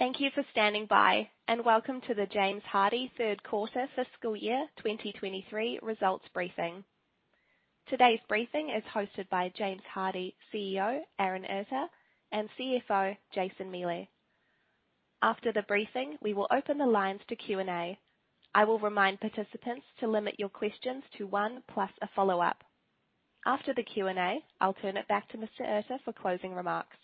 Thank you for standing by, welcome to the James Hardie third quarter fiscal year 2023 results briefing. Today's briefing is hosted by James Hardie CEO, Aaron Erter, and CFO, Jason Miele. After the briefing, we will open the lines to Q&A. I will remind participants to limit your questions to 1 plus a follow-up. After the Q&A, I'll turn it back to Mr. Erter for closing remarks.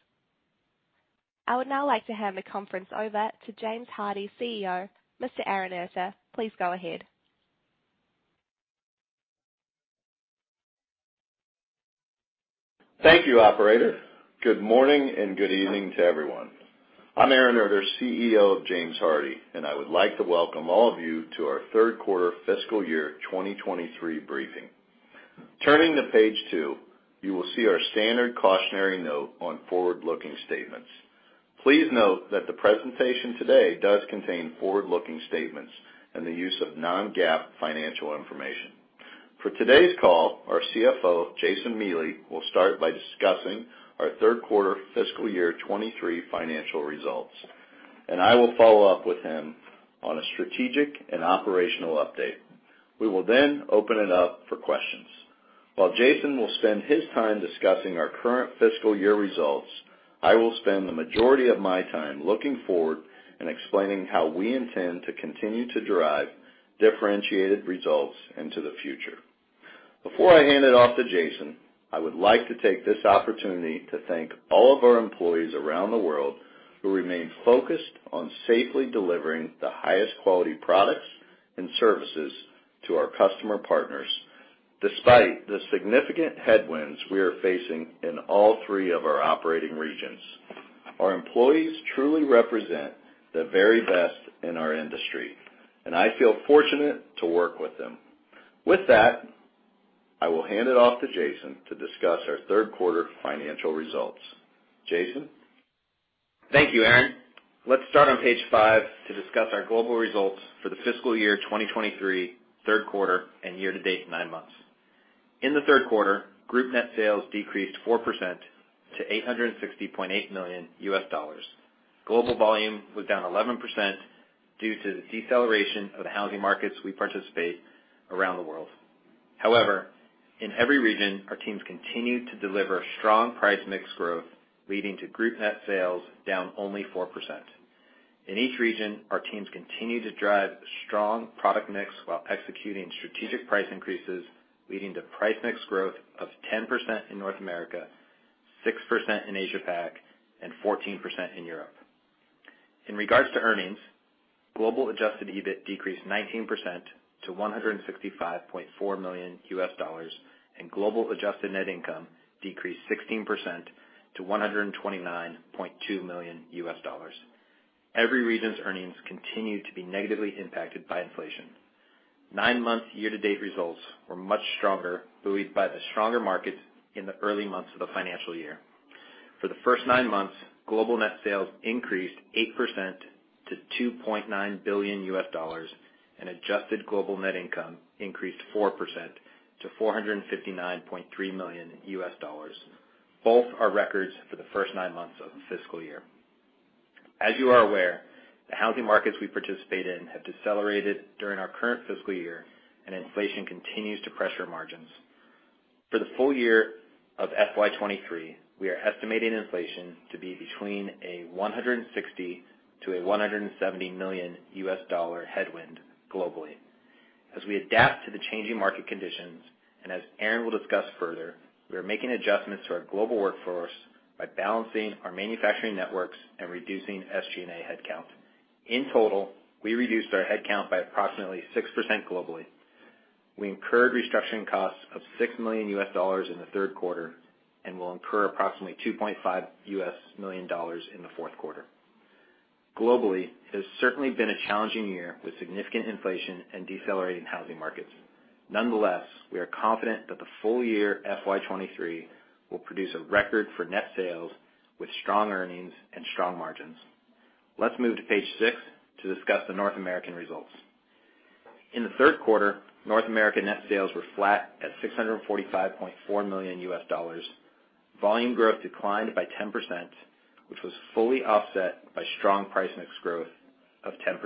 I would now like to hand the conference over to James Hardie CEO, Mr. Aaron Erter. Please go ahead. Thank you, operator. Good morning, and good evening to everyone. I'm Aaron Erter, CEO of James Hardie, and I would like to welcome all of you to our third quarter fiscal year 2023 briefing. Turning to page 2, you will see our standard cautionary note on forward-looking statements. Please note that the presentation today does contain forward-looking statements and the use of non-GAAP financial information. For today's call, our CFO, Jason Miele, will start by discussing our third quarter fiscal year 2023 financial results, and I will follow up with him on a strategic and operational update. We will then open it up for questions. While Jason will spend his time discussing our current fiscal year results, I will spend the majority of my time looking forward and explaining how we intend to continue to drive differentiated results into the future. Before I hand it off to Jason, I would like to take this opportunity to thank all of our employees around the world who remain focused on safely delivering the highest quality products and services to our customer partners, despite the significant headwinds we are facing in all three of our operating regions. Our employees truly represent the very best in our industry, and I feel fortunate to work with them. With that, I will hand it off to Jason to discuss our third quarter financial results. Jason? Thank you, Aaron. Let's start on page 5 to discuss our global results for the fiscal year 2023, third quarter, and year-to-date 9 months. In the third quarter, group net sales decreased 4% to $860.8 million. Global volume was down 11% due to the deceleration of the housing markets we participate around the world. However, in every region, our teams continued to deliver strong price mix growth, leading to group net sales down only 4%. In each region, our teams continued to drive strong product mix while executing strategic price increases, leading to price mix growth of 10% in North America, 6% in Asia Pac, and 14% in Europe. In regards to earnings, global adjusted EBIT decreased 19% to $165.4 million, and global adjusted net income decreased 16% to $129.2 million. Every region's earnings continued to be negatively impacted by inflation. Nine-month year-to-date results were much stronger, buoyed by the stronger markets in the early months of the financial year. For the first nine months, global net sales increased 8% to $2.9 billion, and adjusted global net income increased 4% to $459.3 million. Both are records for the first nine months of the fiscal year. As you are aware, the housing markets we participate in have decelerated during our current fiscal year, and inflation continues to pressure margins. For the full year of FY23, we are estimating inflation to be between a $160 million-$170 million headwind globally. As we adapt to the changing market conditions, and as Aaron will discuss further, we are making adjustments to our global workforce by balancing our manufacturing networks and reducing SG&A headcount. In total, we reduced our headcount by approximately 6% globally. We incurred restructuring costs of $6 million in the third quarter and will incur approximately $2.5 million in the fourth quarter. Globally, it has certainly been a challenging year with significant inflation and decelerating housing markets. Nonetheless, we are confident that the full year FY23 will produce a record for net sales with strong earnings and strong margins. Let's move to page 6 to discuss the North American results. In the third quarter, North America net sales were flat at $645.4 million. Volume growth declined by 10%, which was fully offset by strong price mix growth of 10%.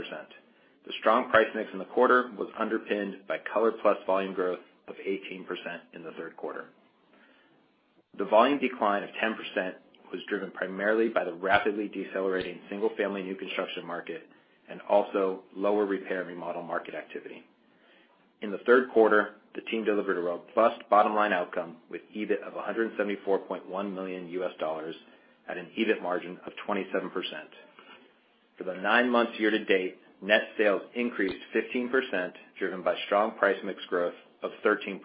The strong price mix in the quarter was underpinned by ColorPlus volume growth of 18% in the third quarter. The volume decline of 10% was driven primarily by the rapidly decelerating single-family new construction market and also lower repair and remodel market activity. In the third quarter, the team delivered a robust bottom-line outcome with EBIT of $174.1 million at an EBIT margin of 27%. For the 9 months year-to-date, net sales increased 15%, driven by strong price mix growth of 13%,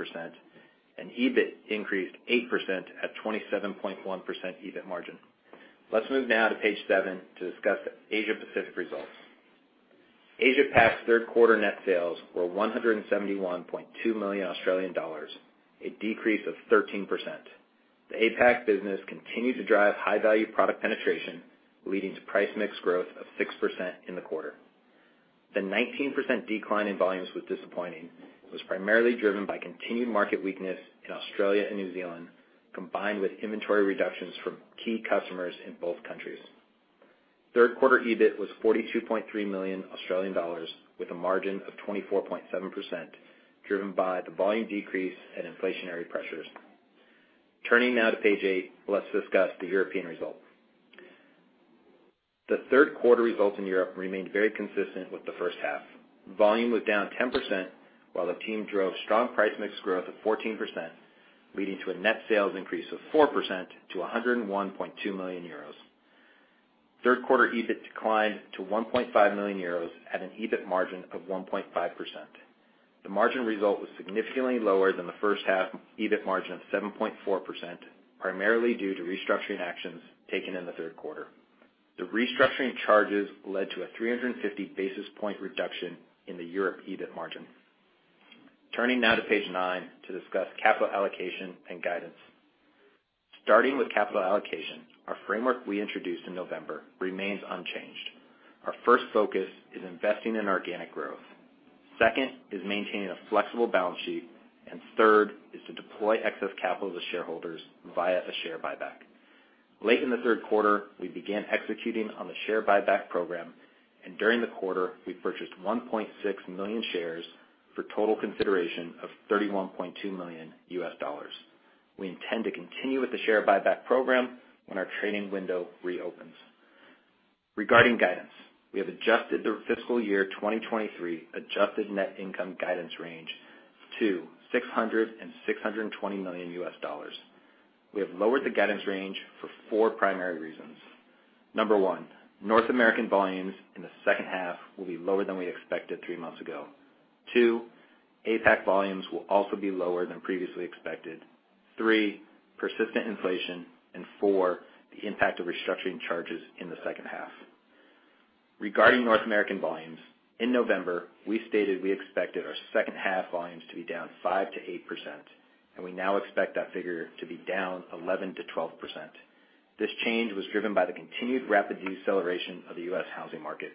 and EBIT increased 8% at 27.1% EBIT margin. Let's move now to page 7 to discuss Asia Pacific results. Asia Pac's third quarter net sales were 171.2 million Australian dollars, a decrease of 13%. The APAC business continued to drive high-value product penetration, leading to price mix growth of 6% in the quarter. The 19% decline in volumes was disappointing. It was primarily driven by continued market weakness in Australia and New Zealand, combined with inventory reductions from key customers in both countries. Third quarter EBIT was 42.3 million Australian dollars, with a margin of 24.7%, driven by the volume decrease and inflationary pressures. Turning now to page 8, let's discuss the European results. The third quarter results in Europe remained very consistent with the first half. Volume was down 10%, while the team drove strong price mix growth of 14%, leading to a net sales increase of 4% to 101.2 million euros. Third quarter EBIT declined to 1.5 million euros at an EBIT margin of 1.5%. The margin result was significantly lower than the first half EBIT margin of 7.4%, primarily due to restructuring actions taken in the third quarter. The restructuring charges led to a 350 basis point reduction in the Europe EBIT margin. Turning now to page 9 to discuss capital allocation and guidance. Starting with capital allocation, our framework we introduced in November remains unchanged. Our first focus is investing in organic growth. Second is maintaining a flexible balance sheet, and third is to deploy excess capital to shareholders via a share buyback. Late in the third quarter, we began executing on the share buyback program, and during the quarter, we purchased 1.6 million shares for total consideration of $31.2 million. We intend to continue with the share buyback program when our trading window reopens. Regarding guidance, we have adjusted the fiscal year 2023 adjusted net income guidance range to $600 million-$620 million. We have lowered the guidance range for 4 primary reasons. 1, North American volumes in the second half will be lower than we expected 3 months ago. 2, APAC volumes will also be lower than previously expected. 3, persistent inflation. 4, the impact of restructuring charges in the second half. Regarding North American volumes, in November, we stated we expected our second half volumes to be down 5%-8%. We now expect that figure to be down 11%-12%. This change was driven by the continued rapid deceleration of the U.S. housing market.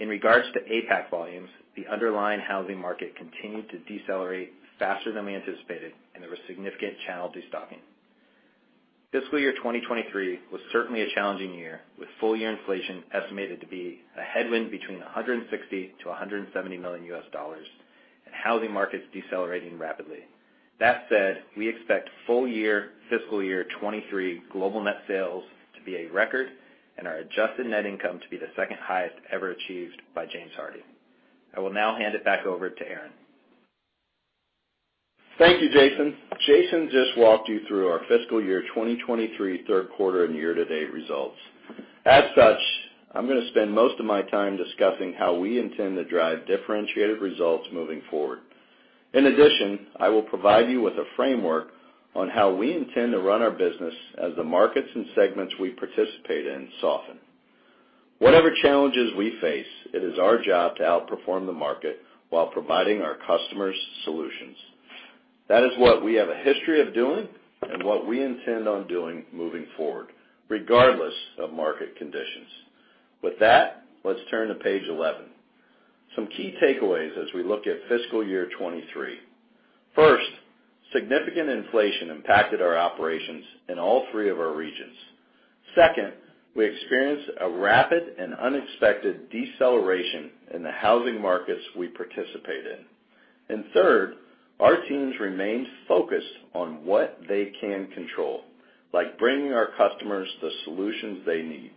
In regards to APAC volumes, the underlying housing market continued to decelerate faster than we anticipated. There was significant channel destocking. Fiscal year 2023 was certainly a challenging year, with full year inflation estimated to be a headwind between $160 million-$170 million. Housing markets decelerating rapidly. That said, we expect full year fiscal year 2023 global net sales to be a record. Our adjusted net income to be the second highest ever achieved by James Hardie. I will now hand it back over to Aaron. Thank you, Jason. Jason just walked you through our fiscal year 2023 3rd quarter and year-to-date results. As such, I'm gonna spend most of my time discussing how we intend to drive differentiated results moving forward. In addition, I will provide you with a framework on how we intend to run our business as the markets and segments we participate in soften. Whatever challenges we face, it is our job to outperform the market while providing our customers solutions. That is what we have a history of doing and what we intend on doing moving forward, regardless of market conditions. With that, let's turn to page 11. Some key takeaways as we look at fiscal year 2023. First, significant inflation impacted our operations in all three of our regions. Second, we experienced a rapid and unexpected deceleration in the housing markets we participate in. Third, our teams remained focused on what they can control, like bringing our customers the solutions they need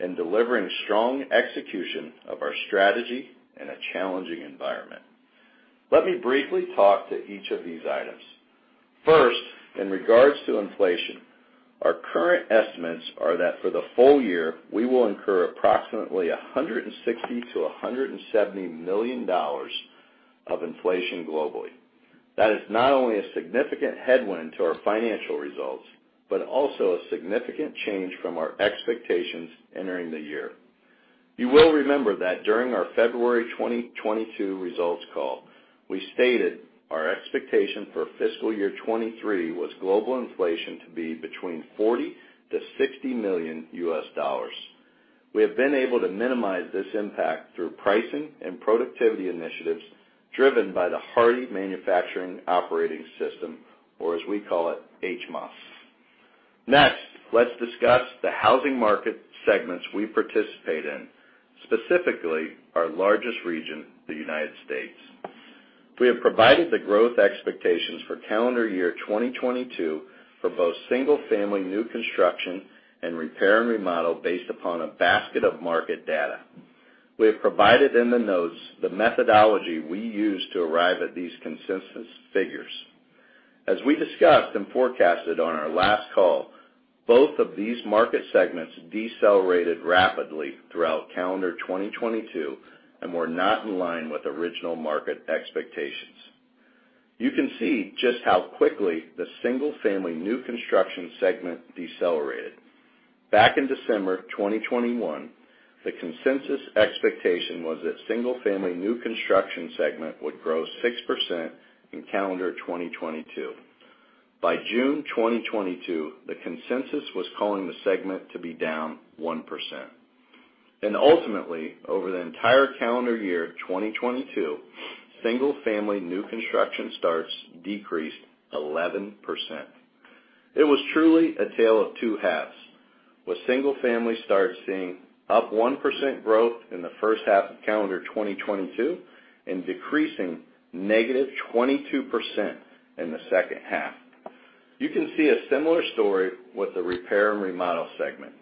and delivering strong execution of our strategy in a challenging environment. Let me briefly talk to each of these items. First, in regards to inflation, our current estimates are that for the full year, we will incur approximately $160 million-$170 million of inflation globally. That is not only a significant headwind to our financial results, but also a significant change from our expectations entering the year. You will remember that during our February 2022 results call, we stated our expectation for fiscal year 2023 was global inflation to be between $40 million-$60 million. We have been able to minimize this impact through pricing and productivity initiatives driven by the Hardie Manufacturing Operating System, or as we call it, HMOS. Next, let's discuss the housing market segments we participate in, specifically our largest region, the United States. We have provided the growth expectations for calendar year 2022 for both single-family new construction and repair and remodel based upon a basket of market data. We have provided in the notes the methodology we use to arrive at these consensus figures. We discussed and forecasted on our last call, both of these market segments decelerated rapidly throughout calendar 2022 and were not in line with original market expectations. You can see just how quickly the single-family new construction segment decelerated. Back in December 2021, the consensus expectation was that single-family new construction segment would grow 6% in calendar 2022. By June 2022, the consensus was calling the segment to be down 1%. Ultimately, over the entire calendar year of 2022, single-family new construction starts decreased 11%. It was truly a tale of two halves, with single-family starts seeing up 1% growth in the first half of calendar 2022 and decreasing negative 22% in the second half. You can see a similar story with the repair and remodel segment.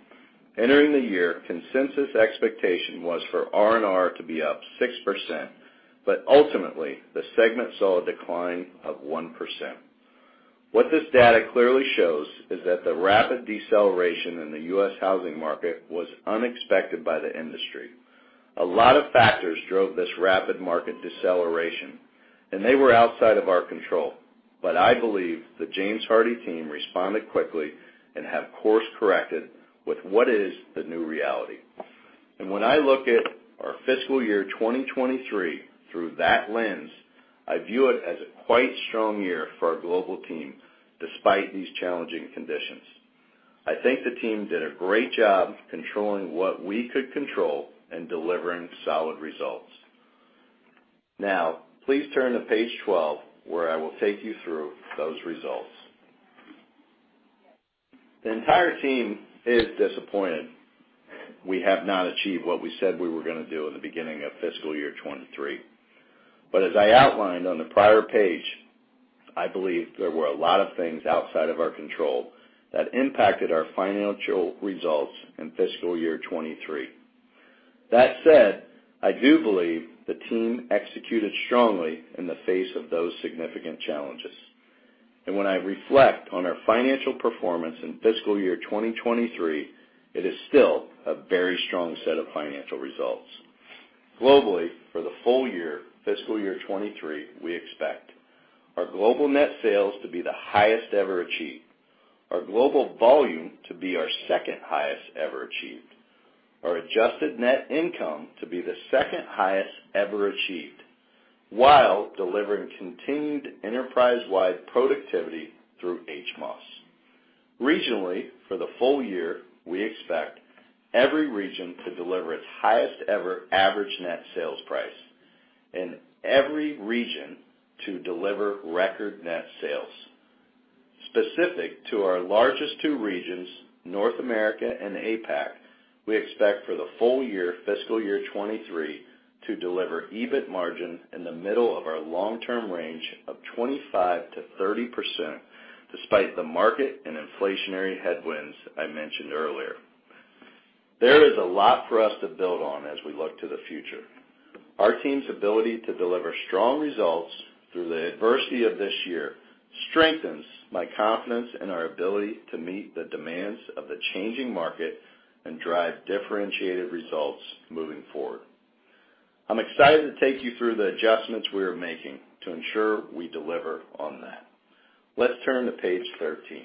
Entering the year, consensus expectation was for R&R to be up 6%. Ultimately, the segment saw a decline of 1%. What this data clearly shows is that the rapid deceleration in the U.S. housing market was unexpected by the industry. A lot of factors drove this rapid market deceleration. They were outside of our control. I believe the James Hardie team responded quickly and have course-corrected with what is the new reality. When I look at our fiscal year 2023 through that lens, I view it as a quite strong year for our global team, despite these challenging conditions. I think the team did a great job controlling what we could control and delivering solid results. Please turn to page 12, where I will take you through those results. The entire team is disappointed we have not achieved what we said we were gonna do in the beginning of fiscal year 2023. As I outlined on the prior page, I believe there were a lot of things outside of our control that impacted our financial results in fiscal year 2023. That said, I do believe the team executed strongly in the face of those significant challenges. When I reflect on our financial performance in fiscal year 2023, it is still a very strong set of financial results. Globally, for the full year, fiscal year 2023, we expect our global net sales to be the highest ever achieved, our global volume to be our second highest ever achieved, our adjusted net income to be the second highest ever achieved, while delivering continued enterprise-wide productivity through HMOS. Regionally, for the full year, we expect every region to deliver its highest ever average net sales price and every region to deliver record net sales. Specific to our largest two regions, North America and APAC, we expect for the full year fiscal year 2023 to deliver EBIT margin in the middle of our long-term range of 25%-30%, despite the market and inflationary headwinds I mentioned earlier. There is a lot for us to build on as we look to the future. Our team's ability to deliver strong results through the adversity of this year strengthens my confidence in our ability to meet the demands of the changing market and drive differentiated results moving forward. I'm excited to take you through the adjustments we are making to ensure we deliver on that. Let's turn to page 13.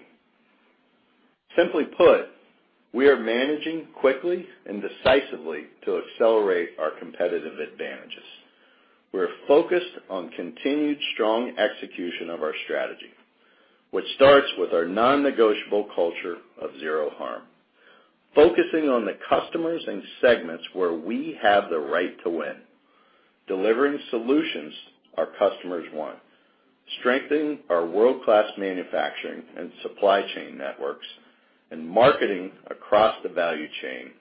Simply put, we are managing quickly and decisively to accelerate our competitive advantages. We're focused on continued strong execution of our strategy, which starts with our nonnegotiable culture of zero harm, focusing on the customers and segments where we have the right to win, delivering solutions our customers want, strengthening our world-class manufacturing and supply chain networks, and marketing across the value chain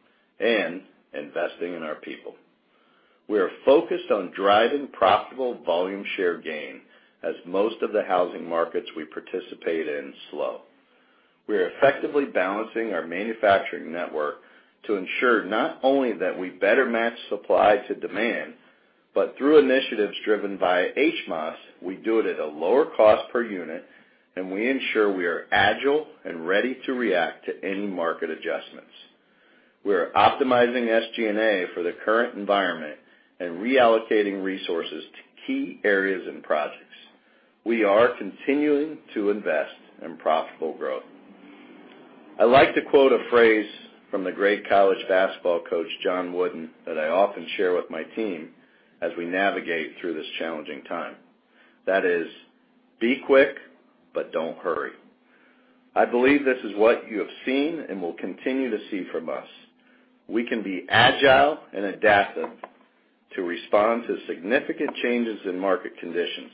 and investing in our people. We are focused on driving profitable volume share gain as most of the housing markets we participate in slow. We are effectively balancing our manufacturing network to ensure not only that we better match supply to demand, but through initiatives driven by HMOS, we do it at a lower cost per unit, and we ensure we are agile and ready to react to any market adjustments. We are optimizing SG&A for the current environment and reallocating resources to key areas and projects. We are continuing to invest in profitable growth. I like to quote a phrase from the great college basketball coach, John Wooden, that I often share with my team as we navigate through this challenging time. That is, "Be quick, but don't hurry." I believe this is what you have seen and will continue to see from us. We can be agile and adaptive to respond to significant changes in market conditions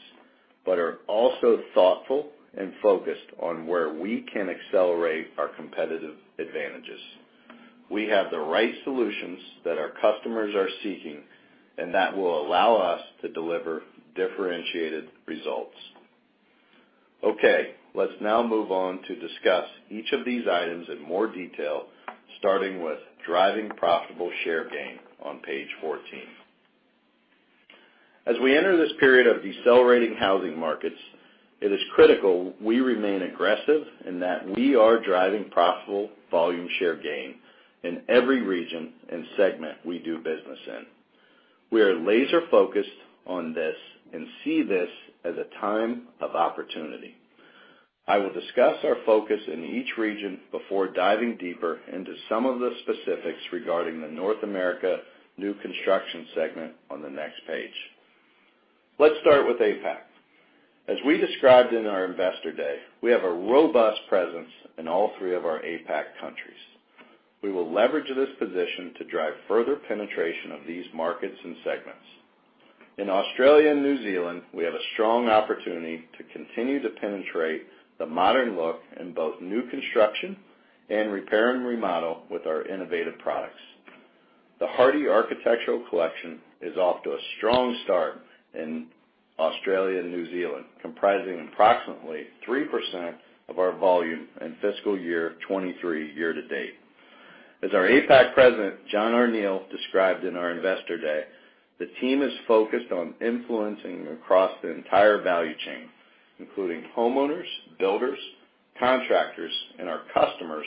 but are also thoughtful and focused on where we can accelerate our competitive advantages. We have the right solutions that our customers are seeking. That will allow us to deliver differentiated results. Let's now move on to discuss each of these items in more detail, starting with driving profitable share gain on page 14. As we enter this period of decelerating housing markets, it is critical we remain aggressive and that we are driving profitable volume share gain in every region and segment we do business in. We are laser-focused on this and see this as a time of opportunity. I will discuss our focus in each region before diving deeper into some of the specifics regarding the North America new construction segment on the next page. Let's start with APAC. As we described in our investor day, we have a robust presence in all three of our APAC countries. We will leverage this position to drive further penetration of these markets and segments. In Australia and New Zealand, we have a strong opportunity to continue to penetrate the modern look in both new construction and repair and remodel with our innovative products. The Hardie Architectural Collection is off to a strong start in Australia and New Zealand, comprising approximately 3% of our volume in fiscal year 2023 year to date. As our APAC President, John O'Neill, described in our investor day, the team is focused on influencing across the entire value chain, including homeowners, builders, contractors, and our customers,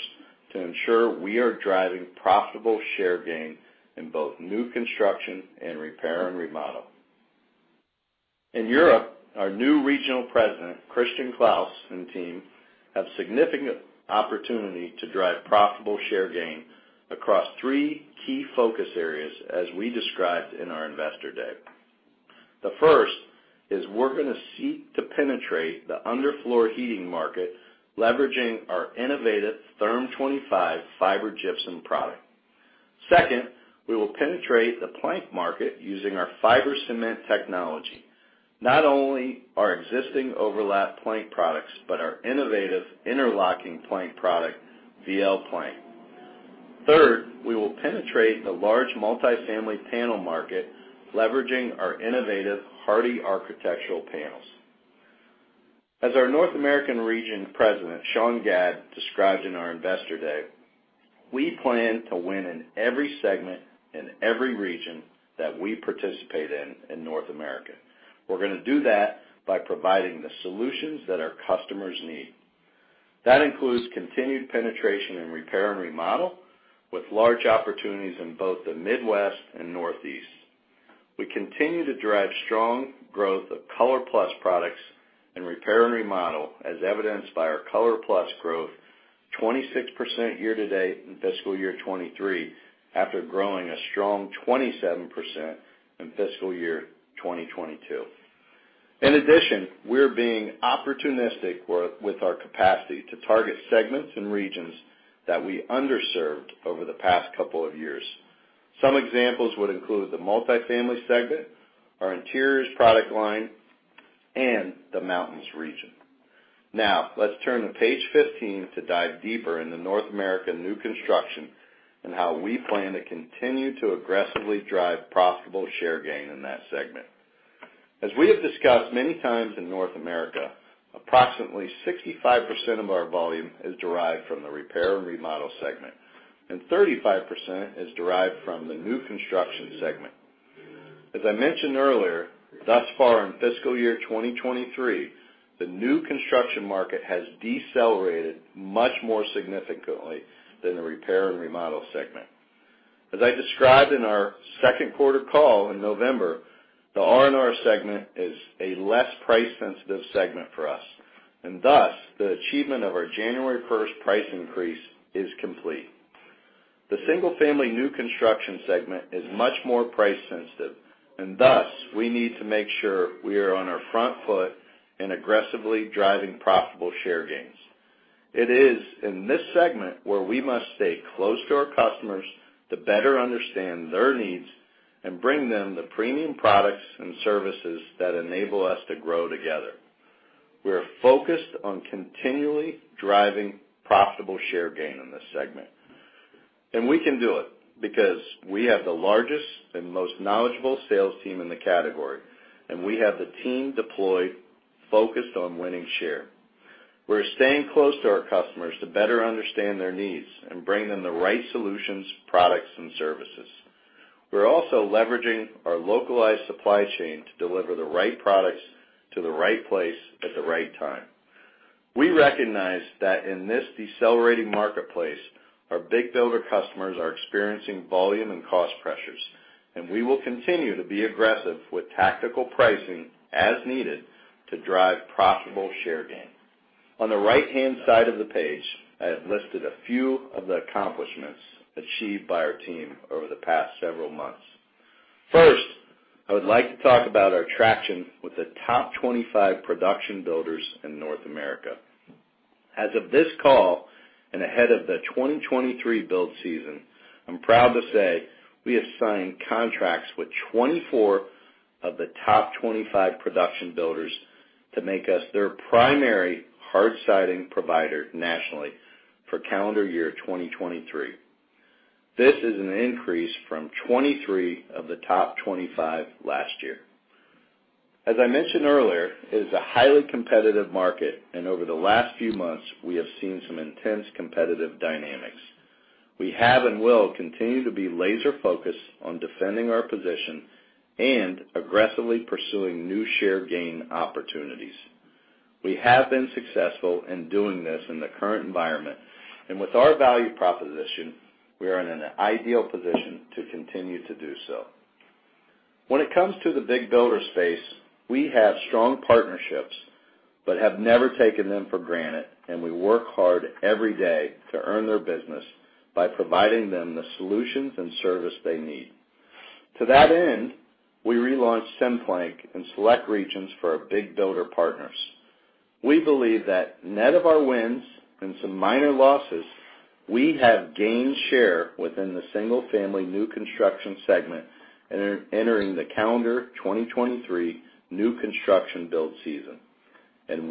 to ensure we are driving profitable share gain in both new construction and repair and remodel. In Europe, our new regional President, Christian Claus, and team have significant opportunity to drive profitable share gain across three key focus areas as we described in our investor day. The first is we're gonna seek to penetrate the underfloor heating market, leveraging our innovative Therm25 fiber gypsum product. Second, we will penetrate the plank market using our fiber cement technology. Not only our existing lap plank products, but our innovative interlocking plank product, VL Plank. Third, we will penetrate the large multi-family panel market, leveraging our innovative Hardie Architectural Panels. As our North American Region President, Sean Gadd, described in our investor day, we plan to win in every segment in every region that we participate in in North America. We're gonna do that by providing the solutions that our customers need. That includes continued penetration and repair and remodel, with large opportunities in both the Midwest and Northeast. We continue to drive strong growth of ColorPlus products and repair and remodel, as evidenced by our ColorPlus growth, 26% year to date in fiscal year 2023, after growing a strong 27% in fiscal year 2022. In addition, we're being opportunistic with our capacity to target segments and regions that we underserved over the past couple of years. Some examples would include the multi-family segment, our interiors product line, and the mountains region. Let's turn to page 15 to dive deeper into North America new construction and how we plan to continue to aggressively drive profitable share gain in that segment. As we have discussed many times in North America, approximately 65% of our volume is derived from the repair and remodel segment, and 35% is derived from the new construction segment. As I mentioned earlier, thus far in fiscal year 2023, the new construction market has decelerated much more significantly than the repair and remodel segment. As I described in our second quarter call in November, the R&R segment is a less price-sensitive segment for us, and thus, the achievement of our January 1st price increase is complete. The single-family new construction segment is much more price sensitive, and thus, we need to make sure we are on our front foot in aggressively driving profitable share gains. It is in this segment where we must stay close to our customers to better understand their needs and bring them the premium products and services that enable us to grow together. We're focused on continually driving profitable share gain in this segment. We can do it because we have the largest and most knowledgeable sales team in the category, and we have the team deployed, focused on winning share. We're staying close to our customers to better understand their needs and bring them the right solutions, products, and services. We're also leveraging our localized supply chain to deliver the right products to the right place at the right time. We recognize that in this decelerating marketplace, our big builder customers are experiencing volume and cost pressures, and we will continue to be aggressive with tactical pricing as needed to drive profitable share gain. On the right-hand side of the page, I have listed a few of the accomplishments achieved by our team over the past several months. First, I would like to talk about our traction with the top 25 production builders in North America. As of this call, and ahead of the 2023 build season, I'm proud to say we have signed contracts with 24 of the top 25 production builders to make us their primary hard siding provider nationally for calendar year 2023. This is an increase from 23 of the top 25 last year. As I mentioned earlier, it is a highly competitive market, and over the last few months, we have seen some intense competitive dynamics. We have and will continue to be laser-focused on defending our position and aggressively pursuing new share gain opportunities. We have been successful in doing this in the current environment, and with our value proposition, we are in an ideal position to continue to do so. When it comes to the big builder space, we have strong partnerships. We have never taken them for granted, and we work hard every day to earn their business by providing them the solutions and service they need. To that end, we relaunched SimPlank in select regions for our big builder partners. We believe that net of our wins and some minor losses, we have gained share within the single-family new construction segment entering the calendar 2023 new construction build season.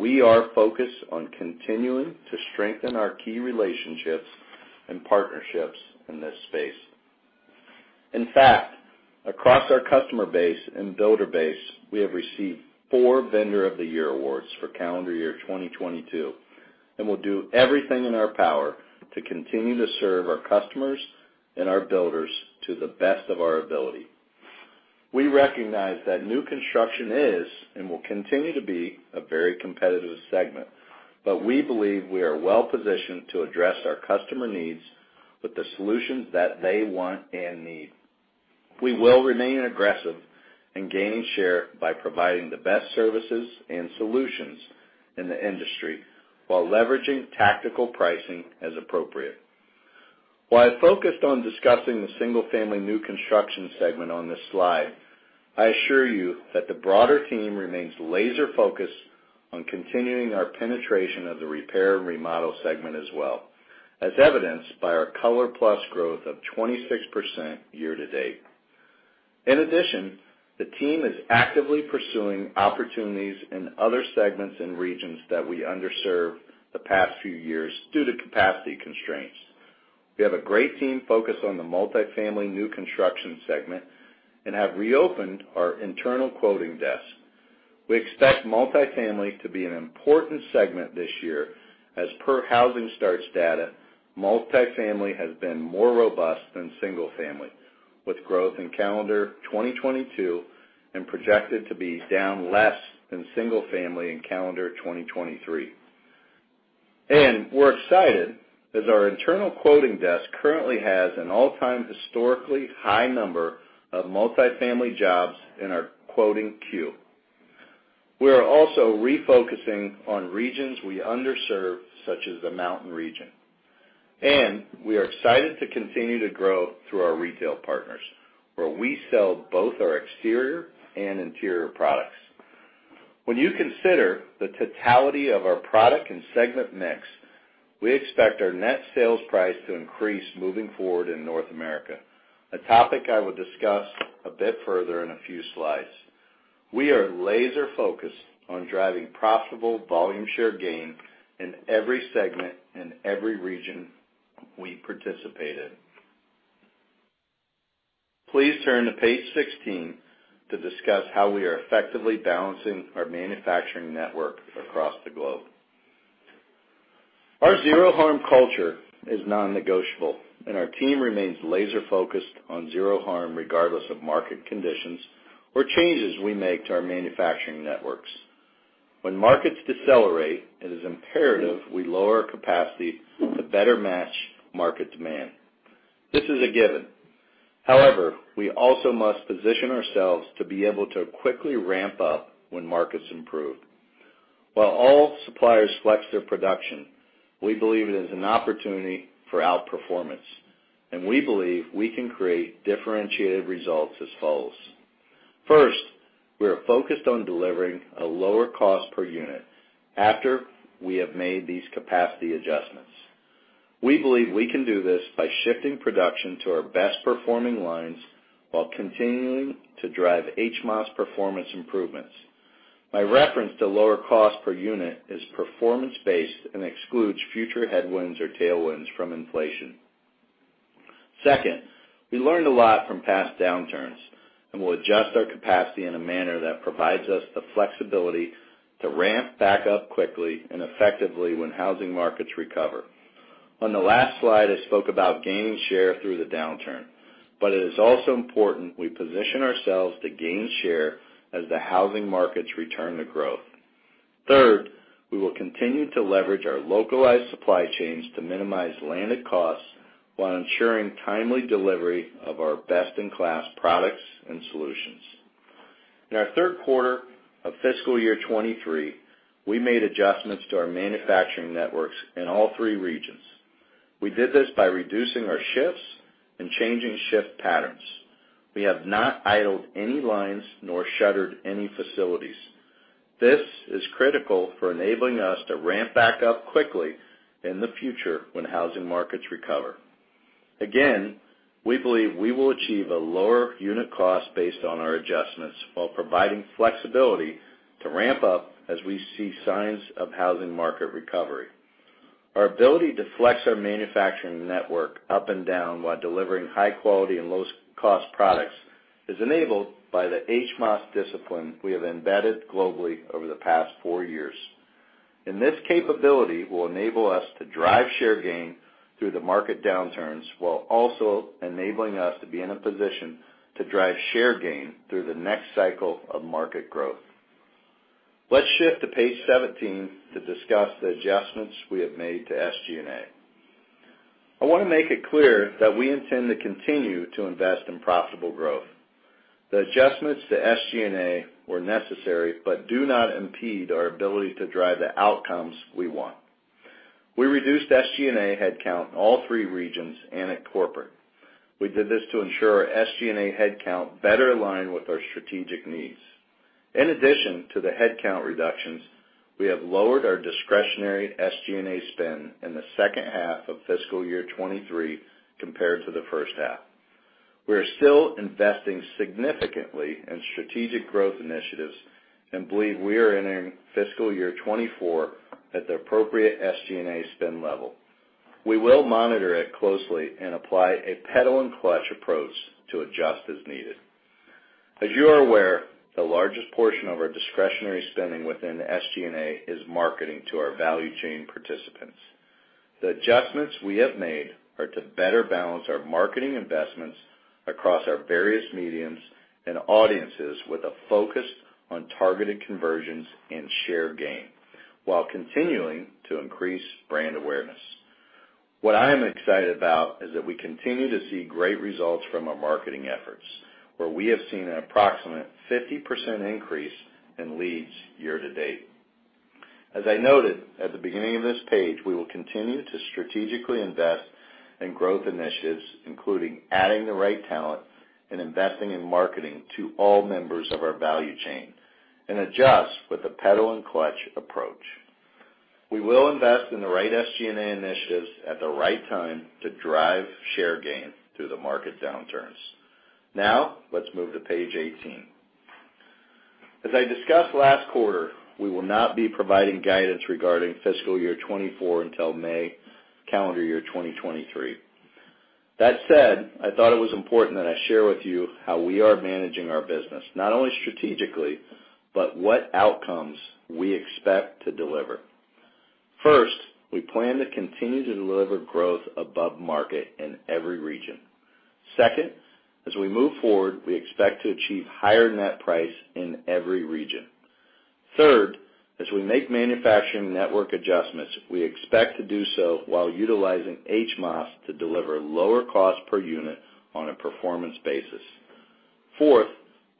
We are focused on continuing to strengthen our key relationships and partnerships in this space. In fact, across our customer base and builder base, we have received 4 vendors of the year awards for calendar year 2022, and we'll do everything in our power to continue to serve our customers and our builders to the best of our ability. We recognize that new construction is, and will continue to be a very competitive segment, but we believe we are well-positioned to address our customer needs with the solutions that they want and need. We will remain aggressive in gaining share by providing the best services and solutions in the industry while leveraging tactical pricing as appropriate. While I focused on discussing the single family new construction segment on this slide, I assure you that the broader team remains laser-focused on continuing our penetration of the repair and remodel segment as well, as evidenced by our ColorPlus growth of 26% year to date. In addition, the team is actively pursuing opportunities in other segments and regions that we underserved the past few years due to capacity constraints. We have a great team focused on the multifamily new construction segment and have reopened our internal quoting desk. We expect multifamily to be an important segment this year. As per housing starts data, multifamily has been more robust than single family, with growth in calendar 2022 and projected to be down less than single family in calendar 2023. We're excited as our internal quoting desk currently has an all-time historically high number of multifamily jobs in our quoting queue. We are also refocusing on regions we underserved, such as the Mountain region. We are excited to continue to grow through our retail partners, where we sell both our exterior and interior products. When you consider the totality of our product and segment mix, we expect our net sales price to increase moving forward in North America, a topic I will discuss a bit further in a few slides. We are laser-focused on driving profitable volume share gain in every segment, in every region we participate in. Please turn to page 16 to discuss how we are effectively balancing our manufacturing network across the globe. Our zero harm culture is nonnegotiable, and our team remains laser-focused on zero harm regardless of market conditions or changes we make to our manufacturing networks. When markets decelerate, it is imperative we lower capacity to better match market demand. This is a given. However, we also must position ourselves to be able to quickly ramp up when markets improve. While all suppliers flex their production, we believe it is an opportunity for outperformance, and we believe we can create differentiated results as follows. First, we are focused on delivering a lower cost per unit after we have made these capacity adjustments. We believe we can do this by shifting production to our best-performing lines while continuing to drive HMOS performance improvements. My reference to lower cost per unit is performance-based and excludes future headwinds or tailwinds from inflation. Second, we learned a lot from past downturns, and we'll adjust our capacity in a manner that provides us the flexibility to ramp back up quickly and effectively when housing markets recover. On the last slide, I spoke about gaining share through the downturn, but it is also important we position ourselves to gain share as the housing markets return to growth. Third, we will continue to leverage our localized supply chains to minimize landed costs while ensuring timely delivery of our best-in-class products and solutions. In our third quarter of fiscal year 2023, we made adjustments to our manufacturing networks in all three regions. We did this by reducing our shifts and changing shift patterns. We have not idled any lines nor shuttered any facilities. This is critical for enabling us to ramp back up quickly in the future when housing markets recover. We believe we will achieve a lower unit cost based on our adjustments while providing flexibility to ramp up as we see signs of housing market recovery. Our ability to flex our manufacturing network up and down while delivering high quality and low cost products is enabled by the HMOS discipline we have embedded globally over the past four years. This capability will enable us to drive share gain through the market downturns, while also enabling us to be in a position to drive share gain through the next cycle of market growth. Let's shift to page 17 to discuss the adjustments we have made to SG&A. I wanna make it clear that we intend to continue to invest in profitable growth. The adjustments to SG&A were necessary but do not impede our ability to drive the outcomes we want. We reduced SG&A headcount in all three regions and at corporate. We did this to ensure our SG&A headcount better align with our strategic needs. In addition to the headcount reductions, we have lowered our discretionary SG&A spend in the second half of fiscal year 2023 compared to the first half. We are still investing significantly in strategic growth initiatives and believe we are entering fiscal year 2024 at the appropriate SG&A spend level. We will monitor it closely and apply a pedal and clutch approach to adjust as needed. As you are aware, the largest portion of our discretionary spending within SG&A is marketing to our value chain participants. The adjustments we have made are to better balance our marketing investments across our various mediums and audiences with a focus on targeted conversions and share gain, while continuing to increase brand awareness. What I am excited about is that we continue to see great results from our marketing efforts, where we have seen an approximate 50% increase in leads year-to-date. As I noted at the beginning of this page, we will continue to strategically invest in growth initiatives, including adding the right talent and investing in marketing to all members of our value chain and adjust with the pedal and clutch approach. We will invest in the right SG&A initiatives at the right time to drive share gain through the market downturns. Now, let's move to page 18. I discussed last quarter, we will not be providing guidance regarding fiscal year 2024 until May calendar year 2023. That said, I thought it was important that I share with you how we are managing our business, not only strategically, but what outcomes we expect to deliver. First, we plan to continue to deliver growth above market in every region. Second, as we move forward, we expect to achieve higher net price in every region. Third, as we make manufacturing network adjustments, we expect to do so while utilizing HMOS to deliver lower cost per unit on a performance basis. Fourth,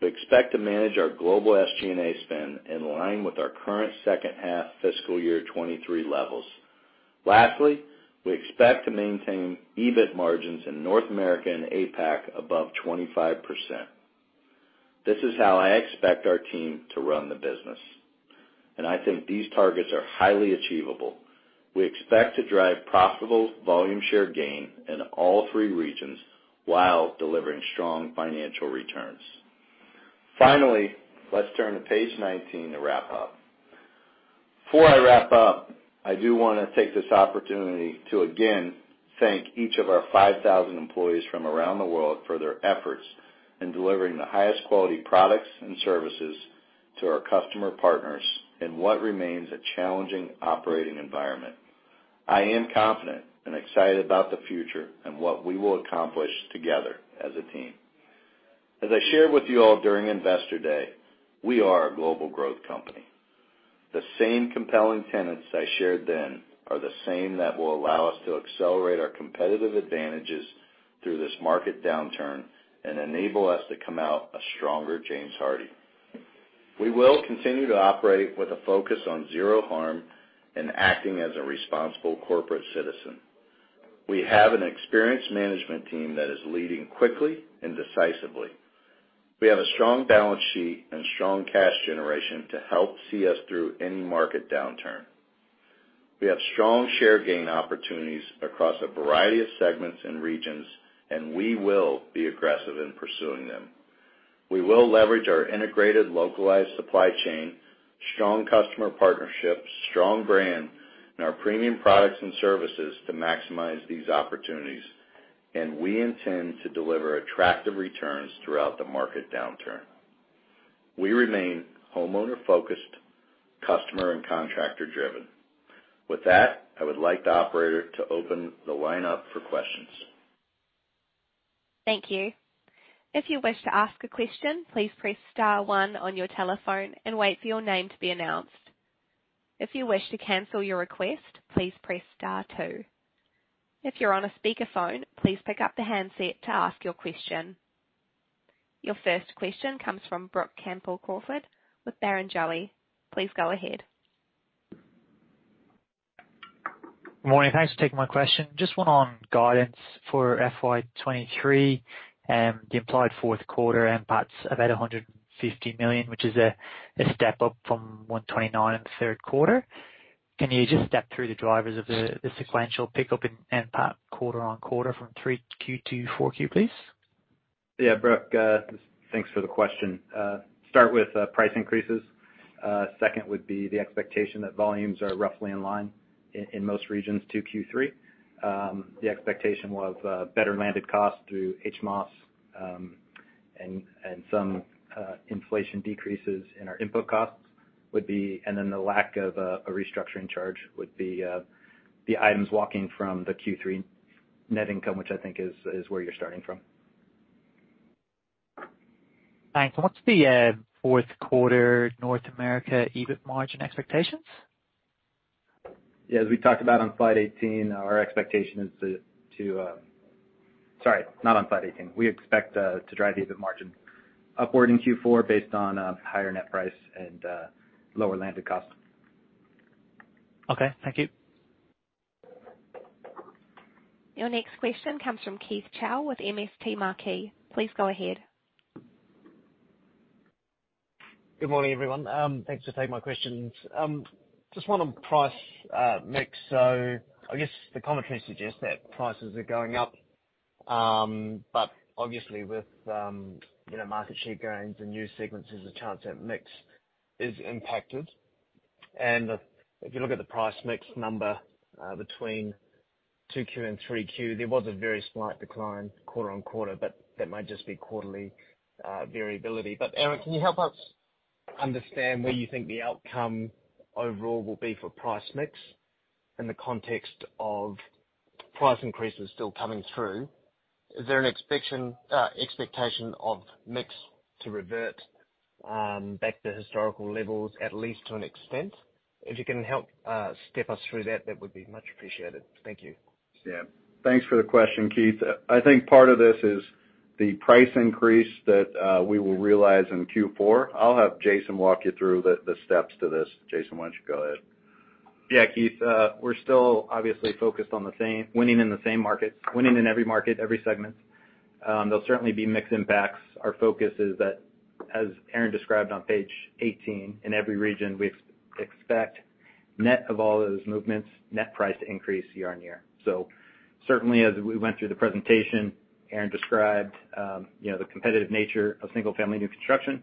we expect to manage our global SG&A spend in line with our current second half fiscal year 2023 levels. Lastly, we expect to maintain EBIT margins in North America and APAC above 25%. This is how I expect our team to run the business. I think these targets are highly achievable. We expect to drive profitable volume share gain in all three regions while delivering strong financial returns. Finally, let's turn to page 19 to wrap up. Before I wrap up, I do wanna take this opportunity to again thank each of our 5,000 employees from around the world for their efforts in delivering the highest quality products and services to our customer partners in what remains a challenging operating environment. I am confident and excited about the future and what we will accomplish together as a team. As I shared with you all during Investor Day, we are a global growth company. The same compelling tenets I shared then are the same that will allow us to accelerate our competitive advantages through this market downturn and enable us to come out a stronger James Hardie. We will continue to operate with a focus on zero harm and acting as a responsible corporate citizen. We have an experienced management team that is leading quickly and decisively. We have a strong balance sheet and strong cash generation to help see us through any market downturn. We have strong share gain opportunities across a variety of segments and regions, and we will be aggressive in pursuing them. We will leverage our integrated localized supply chain, strong customer partnerships, strong brand, and our premium products and services to maximize these opportunities, and we intend to deliver attractive returns throughout the market downturn. We remain homeowner-focused, customer and contractor-driven. With that, I would like the operator to open the line up for questions. Thank you. If you wish to ask a question, please press star one on your telephone and wait for your name to be announced. If you wish to cancel your request, please press star two. If you're on a speakerphone, please pick up the handset to ask your question. Your first question comes from Brook Campbell-Crawford with Barrenjoey. Please go ahead. Morning. Thanks for taking my question. Just one on guidance for FY 2023, the implied fourth quarter NPATs about $150 million, which is a step up from $129 in the third quarter. Can you just step through the drivers of the sequential pickup in NPAT quarter-on-quarter from 3Q to 4Q, please? Yeah, Brooke, thanks for the question. Start with price increases. Second would be the expectation that volumes are roughly in line in most regions to Q3. The expectation was better landed cost through HMOS, and some inflation decreases in our input costs would be, and then the lack of a restructuring charge would be the items walking from the Q3 net income, which I think is where you're starting from. Thanks. What's the fourth quarter North America EBIT margin expectations? Sorry, not on slide 18. We expect to drive the EBIT margin upward in Q4 based on higher net price and lower landed costs. Okay, thank you. Your next question comes from Keith Chau with MST Marquee. Please go ahead. Good morning, everyone. Thanks for taking my questions. Just one on price, mix. I guess the commentary suggests that prices are going up, but obviously with, you know, market share gains and new segments, there's a chance that mix is impacted. If you look at the price mix number, between 2Q and 3Q, there was a very slight decline quarter-on-quarter, but that might just be quarterly variability. Aaron, can you help us understand where you think the outcome overall will be for price mix in the context of price increases still coming through? Is there an expectation of mix to revert back to historical levels, at least to an extent? If you can help, step us through that would be much appreciated. Thank you. Yeah. Thanks for the question, Keith. I think part of this is the price increase that we will realize in Q4. I'll have Jason walk you through the steps to this. Jason, why don't you go ahead? Keith Chau, we're still obviously focused on winning in the same markets, winning in every market, every segment. There'll certainly be mix impacts. Our focus is that, as Aaron Erter described on page 18, in every region, we expect net of all those movements, net price to increase year on year. Certainly, as we went through the presentation, Aaron Erter described, you know, the competitive nature of single-family new construction.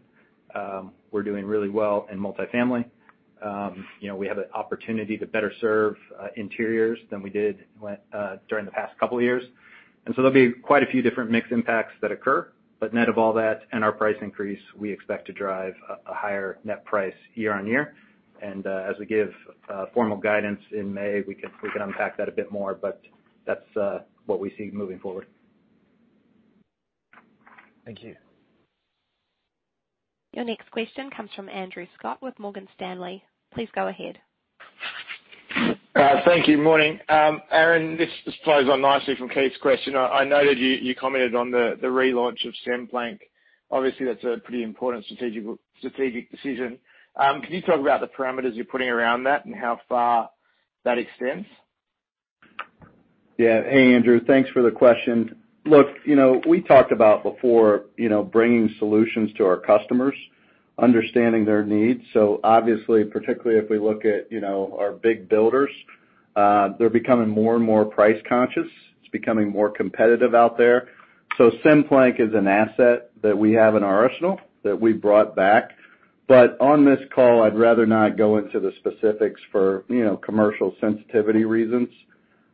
We're doing really well in multifamily. You know, we have an opportunity to better serve interiors than we did during the past couple of years. There'll be quite a few different mix impacts that occur, but net of all that and our price increase, we expect to drive a higher net price year on year. As we give formal guidance in May, we can unpack that a bit more. That's what we see moving forward. Thank you. Your next question comes from Andrew Scott with Morgan Stanley. Please go ahead. Thank you. Morning. Aaron, this follows on nicely from Keith's question. I noted you commented on the relaunch of SimPlank. Obviously, that's a pretty important strategic decision. Can you talk about the parameters you're putting around that and how far that extends? Hey, Andrew. Thanks for the question. Look, you know, we talked about before, you know, bringing solutions to our customers, understanding their needs. Obviously, particularly if we look at, you know, our big builders, they're becoming more and more price conscious. It's becoming more competitive out there. SimPlank is an asset that we have in our arsenal that we brought back. On this call, I'd rather not go into the specifics for, you know, commercial sensitivity reasons.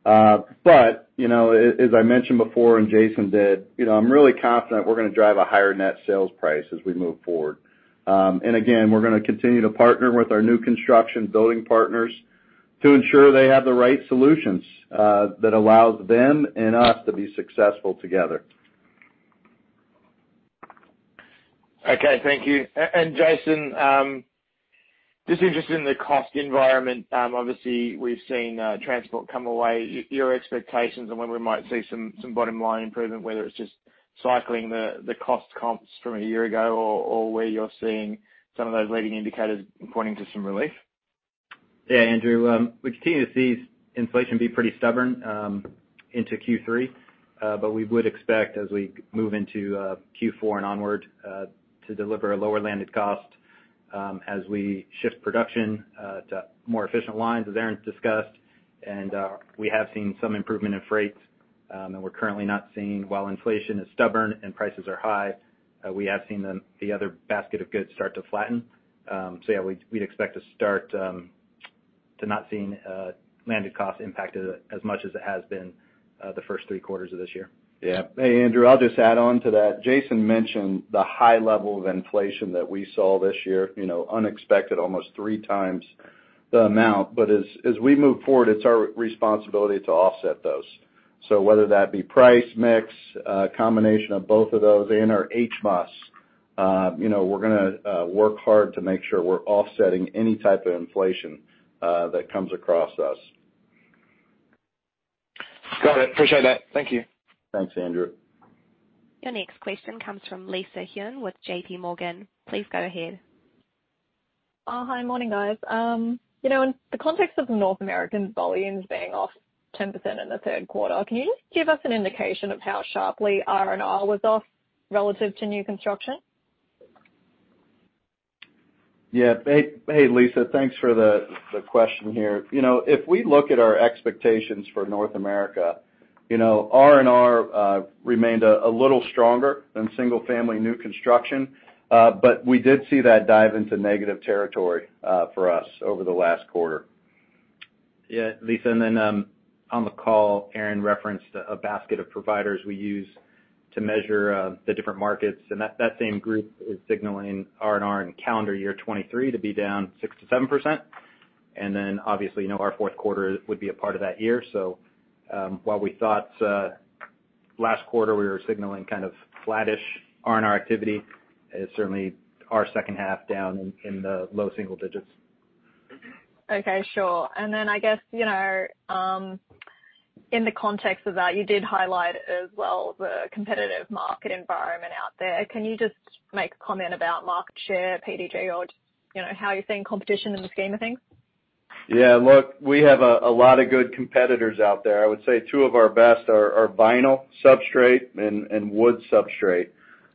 You know, as I mentioned before and Jason did, you know, I'm really confident we're gonna drive a higher net sales price as we move forward. Again, we're gonna continue to partner with our new construction building partners to ensure they have the right solutions, that allows them and us to be successful together. Okay, thank you. Jason, just interested in the cost environment. Obviously we've seen transport come away. Your expectations on when we might see some bottom line improvement, whether it's just cycling the cost comps from a year ago or where you're seeing some of those leading indicators pointing to some relief. Andrew, we continue to see inflation be pretty stubborn into Q3. We would expect as we move into Q4 and onward to deliver a lower landed cost as we shift production to more efficient lines as Aaron's discussed. We have seen some improvement in freight. While inflation is stubborn and prices are high, we have seen the other basket of goods start to flatten. We'd expect to start to not seeing landed cost impacted as much as it has been the first three quarters of this year. Hey, Andrew, I'll just add on to that. Jason mentioned the high level of inflation that we saw this year, you know, unexpected almost 3 times the amount. As we move forward, it's our responsibility to offset those. Whether that be price mix, a combination of both of those, and our HMOS, you know, we're gonna work hard to make sure we're offsetting any type of inflation that comes across us. Got it. Appreciate that. Thank you. Thanks, Andrew. Your next question comes from Lisa Huynh with J.P. Morgan. Please go ahead. Hi. Morning, guys. You know, in the context of North American volumes being off 10% in the third quarter, can you just give us an indication of how sharply R&R was off relative to new construction? Yeah. Hey, hey, Lisa. Thanks for the question here. You know, if we look at our expectations for North America, you know, R&R remained a little stronger than single family new construction, but we did see that dive into negative territory for us over the last quarter. Yeah, Lisa, on the call, Aaron referenced a basket of providers we use to measure the different markets, that same group is signaling R&R in calendar year 2023 to be down 6%-7%. Obviously, you know, our fourth quarter would be a part of that year. While we thought last quarter we were signaling kind of flattish R&R activity, it's certainly our second half down in the low single digits. Okay, sure. I guess, you know, in the context of that, you did highlight as well the competitive market environment out there. Can you just make a comment about market share at PDG or, you know, how you're seeing competition in the scheme of things? Yeah. Look, we have a lot of good competitors out there. I would say two of our best are vinyl substrate and wood substrate.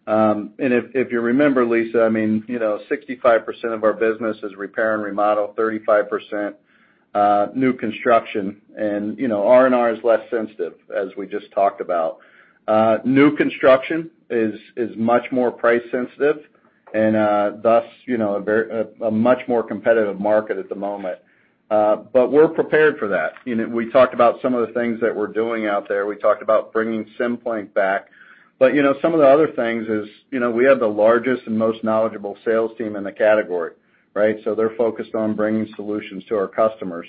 If you remember, Lisa, I mean, you know, 65% of our business is repair and remodel, 35% new construction. You know, R&R is less sensitive, as we just talked about. New construction is much more price sensitive and thus, you know, a much more competitive market at the moment. We're prepared for that. You know, we talked about some of the things that we're doing out there. We talked about bringing SimPlank back. You know, some of the other things is, you know, we have the largest and most knowledgeable sales team in the category, right? They're focused on bringing solutions to our customers.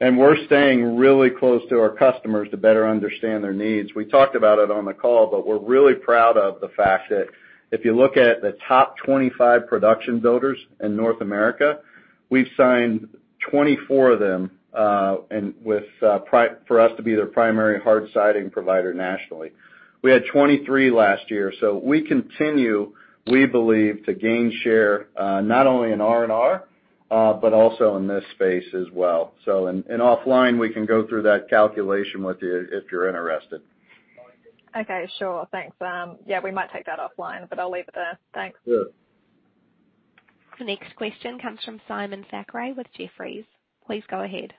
We're staying really close to our customers to better understand their needs. We talked about it on the call, but we're really proud of the fact that if you look at the top 25 production builders in North America, we've signed 24 of them, and for us to be their primary hard siding provider nationally. We had 23 last year. We continue, we believe, to gain share, not only in R&R, but also in this space as well. Offline, we can go through that calculation with you if you're interested. Okay, sure. Thanks. Yeah, we might take that offline, but I'll leave it there. Thanks. Sure. The next question comes from Simon Thackray with Jefferies. Please go ahead.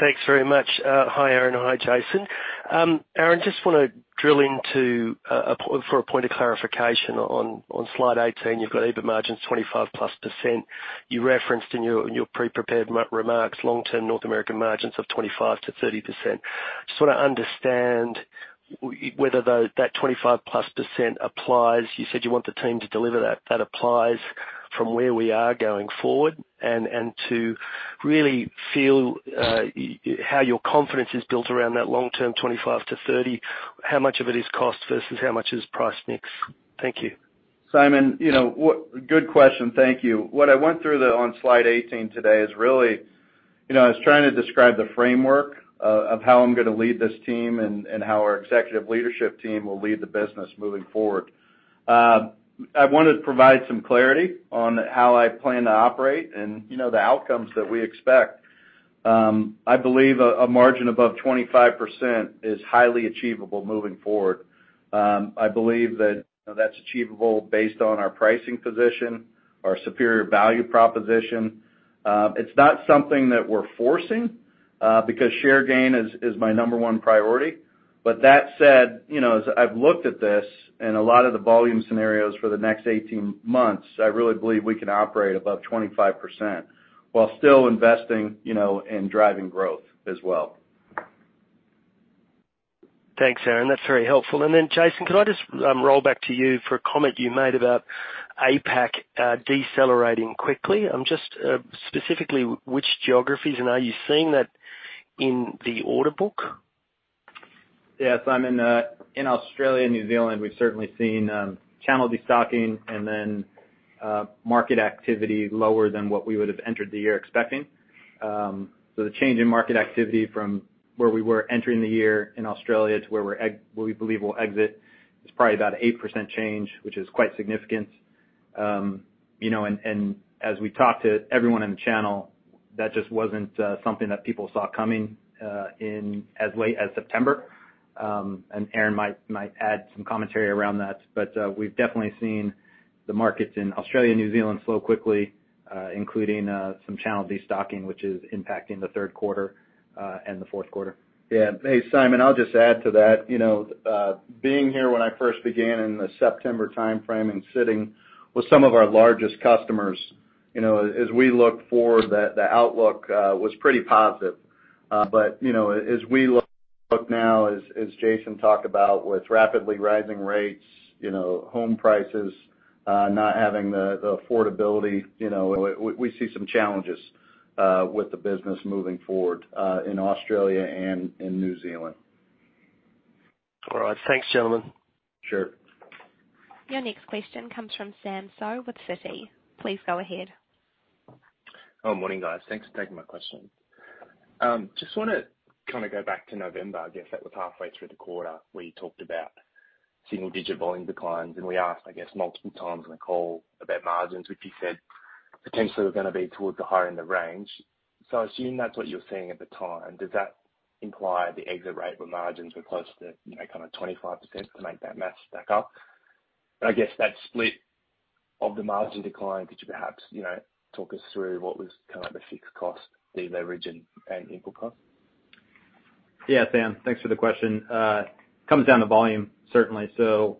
Thanks very much. Hi, Aaron. Hi, Jason. Aaron, just wanna drill into for a point of clarification on slide 18, you've got EBIT margins 25%+. You referenced in your pre-prepared remarks long-term North American margins of 25%-30%. Just wanna understand whether that 25%+ applies. You said you want the team to deliver that. That applies from where we are going forward and to really feel how your confidence is built around that long-term 25%-30%, how much of it is cost versus how much is price mix? Thank you. Simon, you know, good question. Thank you. What I went through the, on slide 18 today is really, you know, I was trying to describe the framework of how I'm gonna lead this team and how our executive leadership team will lead the business moving forward. I wanted to provide some clarity on how I plan to operate and, you know, the outcomes that we expect. I believe a margin above 25% is highly achievable moving forward. I believe that, you know, that's achievable based on our pricing position, our superior value proposition. It's not something that we're forcing, because share gain is my number one priority. That said, you know, as I've looked at this and a lot of the volume scenarios for the next 18 months, I really believe we can operate above 25% while still investing, you know, and driving growth as well. Thanks, Aaron. That's very helpful. Jason, could I just roll back to you for a comment you made about APAC, decelerating quickly? Just specifically which geographies, and are you seeing that in the order book? Yeah, Simon, in Australia and New Zealand, we've certainly seen channel destocking and then market activity lower than what we would have entered the year expecting. The change in market activity from where we were entering the year in Australia to where we believe we'll exit is probably about 8% change, which is quite significant. You know, as we talk to everyone in the channel, that just wasn't something that people saw coming in as late as September. Aaron might add some commentary around that, but we've definitely seen the markets in Australia, New Zealand slow quickly, including some channel destocking, which is impacting the third quarter and the fourth quarter. Yeah. Hey, Simon, I'll just add to that. You know, being here when I first began in the September timeframe and sitting with some of our largest customers, you know, as we look forward, the outlook was pretty positive. You know, as we look now as Jason talked about with rapidly rising rates, you know, home prices, not having the affordability, you know, we see some challenges with the business moving forward in Australia and in New Zealand. All right. Thanks, gentlemen. Sure. Your next question comes from Samuel Seow with Citi. Please go ahead. Morning, guys. Thanks for taking my question. Just wanna kinda go back to November. I guess that was halfway through the quarter where you talked about single digit volume declines. We asked, I guess, multiple times on the call about margins, which you said potentially were gonna be towards the higher end of range. Assuming that's what you were seeing at the time, does that imply the exit rate for margins were close to, you know, kinda 25% to make that math stack up? I guess that split of the margin decline, could you perhaps, you know, talk us through what was kind of the fixed cost deleverage and input cost? Yeah, Sam. Thanks for the question. Comes down to volume certainly. You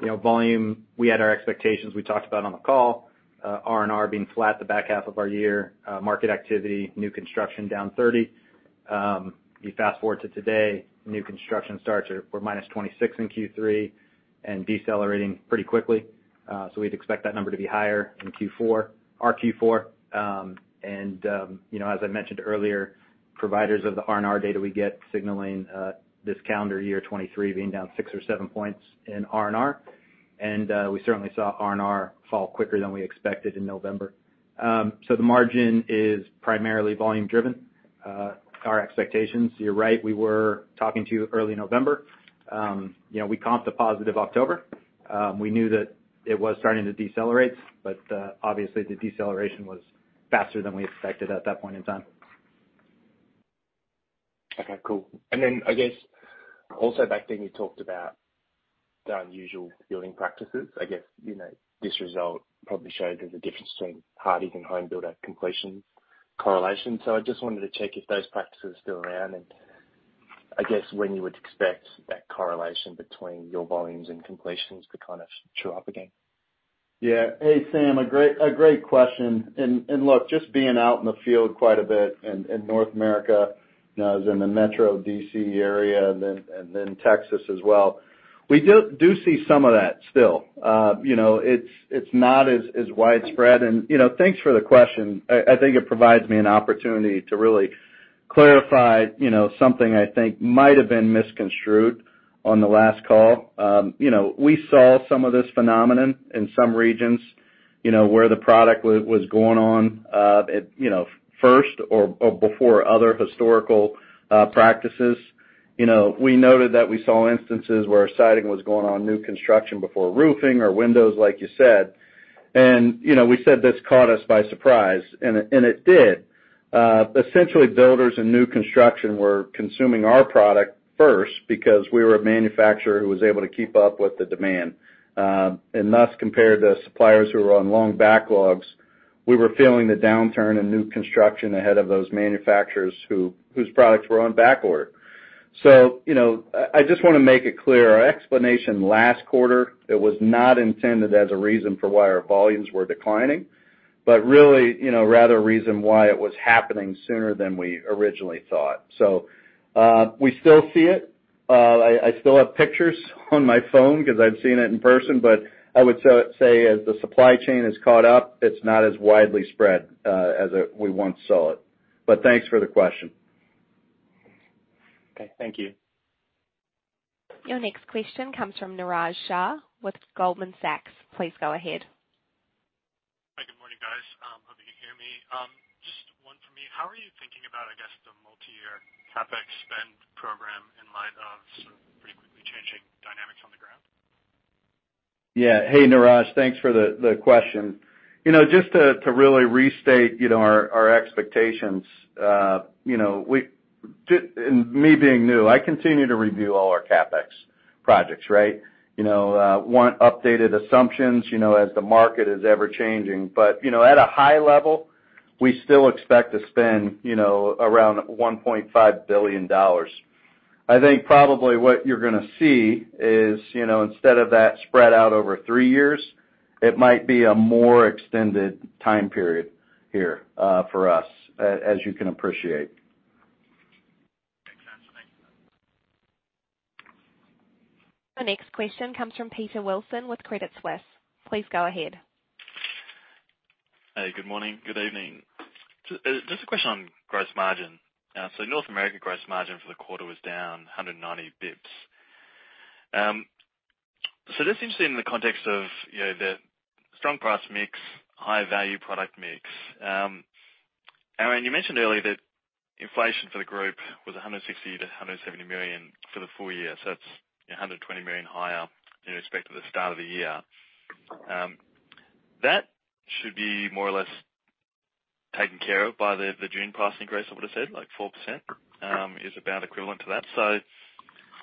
know, volume, we had our expectations we talked about on the call, R&R being flat the back half of our year, market activity, new construction down 30. You fast-forward to today, new construction starts are, were -26 in Q3 and decelerating pretty quickly. We'd expect that number to be higher in Q4, our Q4. You know, as I mentioned earlier, providers of the R&R data we get signaling, this calendar year 2023 being down 6 or 7 points in R&R. We certainly saw R&R fall quicker than we expected in November. The margin is primarily volume driven. Our expectations, you're right, we were talking to early November. You know, we comped a positive October. We knew that it was starting to decelerate, obviously the deceleration was faster than we expected at that point in time. Okay, cool. I guess also back then you talked about the unusual building practices. I guess, you know, this result probably shows there's a difference between Hardies and home builder completion correlation. I just wanted to check if those practices are still around, and I guess when you would expect that correlation between your volumes and completions to kind of show up again? Yeah. Hey, Sam, a great question. Look, just being out in the field quite a bit in North America, you know, I was in the Metro D.C. area and then Texas as well. We do see some of that still. You know, it's not as widespread. You know, thanks for the question. I think it provides me an opportunity to really clarify, you know, something I think might have been misconstrued on the last call. You know, we saw some of this phenomenon in some regions, you know, where the product was going on, it, you know, first or before other historical practices. You know, we noted that we saw instances where our siding was going on new construction before roofing or windows, like you said. You know, we said this caught us by surprise, and it did. Essentially builders and new construction were consuming our product first because we were a manufacturer who was able to keep up with the demand. Thus, compared to suppliers who were on long backlogs, we were feeling the downturn in new construction ahead of those manufacturers whose products were on backorder. You know, I just wanna make it clear, our explanation last quarter, it was not intended as a reason for why our volumes were declining, but really, you know, rather a reason why it was happening sooner than we originally thought. We still see it. I still have pictures on my phone because I've seen it in person, but I would say as the supply chain has caught up, it's not as widely spread, as we once saw it. Thanks for the question. Okay, thank you. Your next question comes from Niraj Shah with Goldman Sachs. Please go ahead. Hi, good morning, guys. hoping you hear me. just one for me. How are you thinking about, I guess, the multiyear CapEx spend program in light of some pretty quickly changing dynamics on the ground? Yeah. Hey, Niraj. Thanks for the question. You know, just to really restate, you know, our expectations, you know, and me being new, I continue to review all our CapEx projects, right? You know, want updated assumptions, you know, as the market is ever changing. You know, at a high level, we still expect to spend, you know, around $1.5 billion. I think probably what you're gonna see is, you know, instead of that spread out over three years, it might be a more extended time period here for us, as you can appreciate. Makes sense. Thanks. The next question comes from Peter Wilson with Credit Suisse. Please go ahead. Hey, good morning. Good evening. Just a question on gross margin. North America gross margin for the quarter was down 190 basis points. Just interested in the context of, you know, the strong price mix, high value product mix. Aaron, you mentioned earlier that inflation for the group was $160 million-$170 million for the full year. That's, you know, $120 million higher in respect to the start of the year. That should be more or less taken care of by the June price increase, I would've said, like 4%, is about equivalent to that.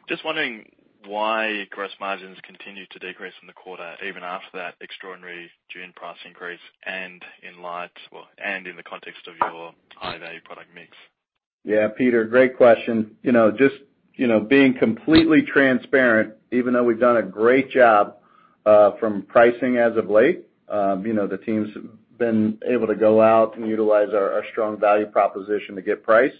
Just wondering why gross margins continued to decrease in the quarter even after that extraordinary June price increase and well, and in the context of your high value product mix. Yeah, Peter, great question. You know, just, you know, being completely transparent, even though we've done a great job from pricing as of late, you know, the team's been able to go out and utilize our strong value proposition to get price.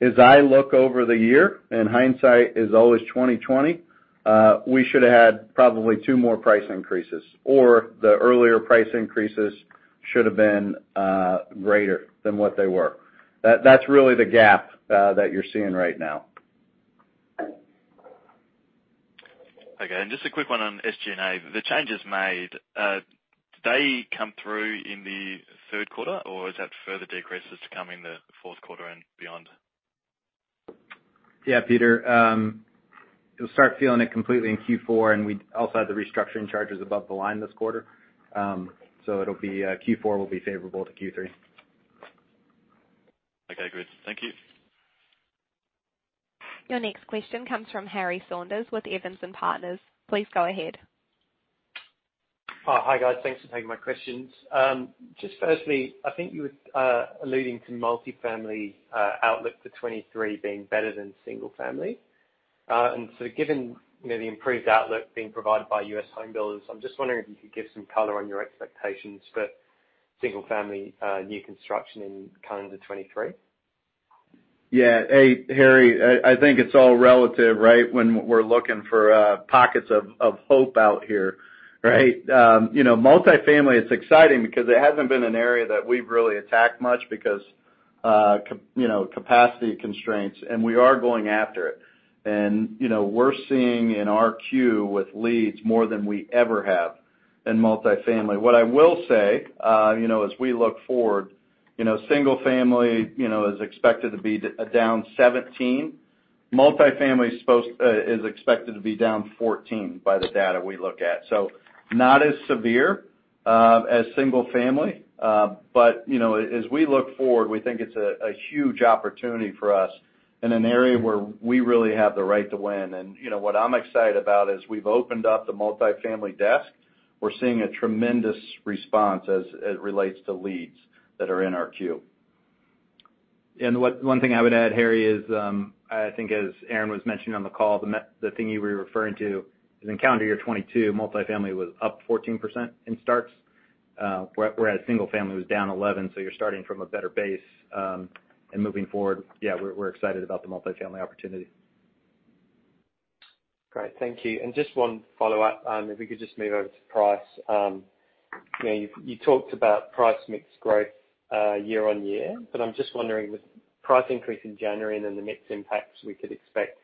As I look over the year, and hindsight is always 20/20, we should've had probably 2 more price increases, or the earlier price increases should have been greater than what they were. That's really the gap that you're seeing right now. Okay. Just a quick one on SG&A. The changes made, do they come through in the third quarter, or is that further decreases to come in the fourth quarter and beyond? Yeah, Peter. You'll start feeling it completely in Q4, and we also had the restructuring charges above the line this quarter. It'll be Q4 will be favorable to Q3. Okay, good. Thank you. Your next question comes from Harry Saunders with Evans & Partners. Please go ahead. Hi, guys. Thanks for taking my questions. Just firstly, I think you were alluding to multifamily outlook for 2023 being better than single family. Given, you know, the improved outlook being provided by U.S. home builders, I'm just wondering if you could give some color on your expectations for single family new construction in calendar 2023. Yeah. Hey, Harry, I think it's all relative, right? When we're looking for pockets of hope out here, right? You know, multifamily is exciting because it hasn't been an area that we've really attacked much because, you know, capacity constraints, and we are going after it. You know, we're seeing in our queue with leads more than we ever have in multifamily. What I will say, you know, as we look forward, single family, is expected to be down 17. Multifamily is supposed to, is expected to be down 14 by the data we look at. Not as severe as single family. But, you know, as we look forward, we think it's a huge opportunity for us in an area where we really have the right to win. You know, what I'm excited about is we've opened up the multifamily desk. We're seeing a tremendous response as it relates to leads that are in our queue. One thing I would add, Harry, is, I think as Aaron was mentioning on the call, the thing you were referring to is in calendar year 2022, multifamily was up 14% in starts, where, whereas single family was down 11, so you're starting from a better base in moving forward. Yeah, we're excited about the multifamily opportunity. Great. Thank you. Just 1 follow-up. If we could just move over to price. You know, you talked about price mix growth year-over-year, but I'm just wondering, with price increase in January and then the mix impacts we could expect,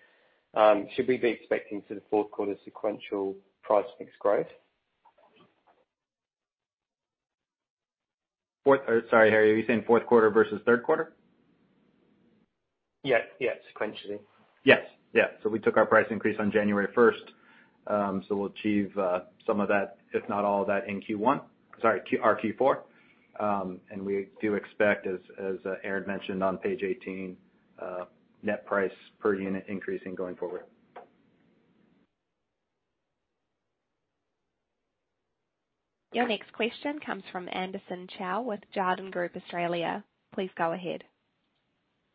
should we be expecting sort of 4th quarter sequential price mix growth? sorry, Harry, are you saying fourth quarter versus third quarter? Yeah. Yeah. Sequentially. Yes. Yeah. We took our price increase on January first, so we'll achieve some of that, if not all of that, in Q1. Sorry, our Q4. We do expect as Aaron mentioned on page 18, net price per unit increasing going forward. Your next question comes from Anderson Chow with Jarden Group Australia. Please go ahead.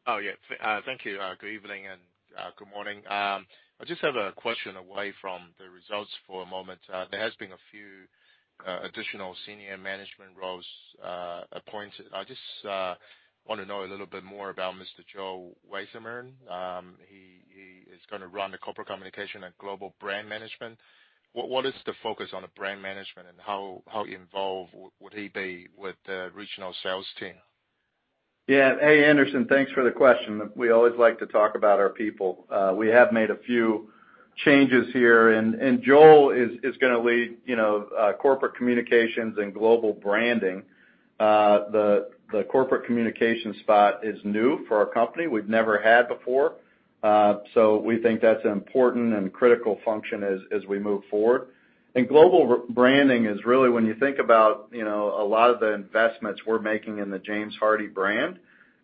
Oh, yeah. Thank you. Good evening and good morning. I just have a question away from the results for a moment. There has been a few additional senior management roles appointed. I just wanna know a little bit more about Mr. Joel Wasserman. He is gonna run the corporate communication and global brand management. What is the focus on the brand management and how involved would he be with the regional sales team? Hey, Anderson, thanks for the question. We always like to talk about our people. We have made a few changes here and Joel is gonna lead, you know, corporate communications and global branding. The corporate communication spot is new for our company. We've never had before. We think that's an important and critical function as we move forward. Global branding is really when you think about, you know, a lot of the investments we're making in the James Hardie brand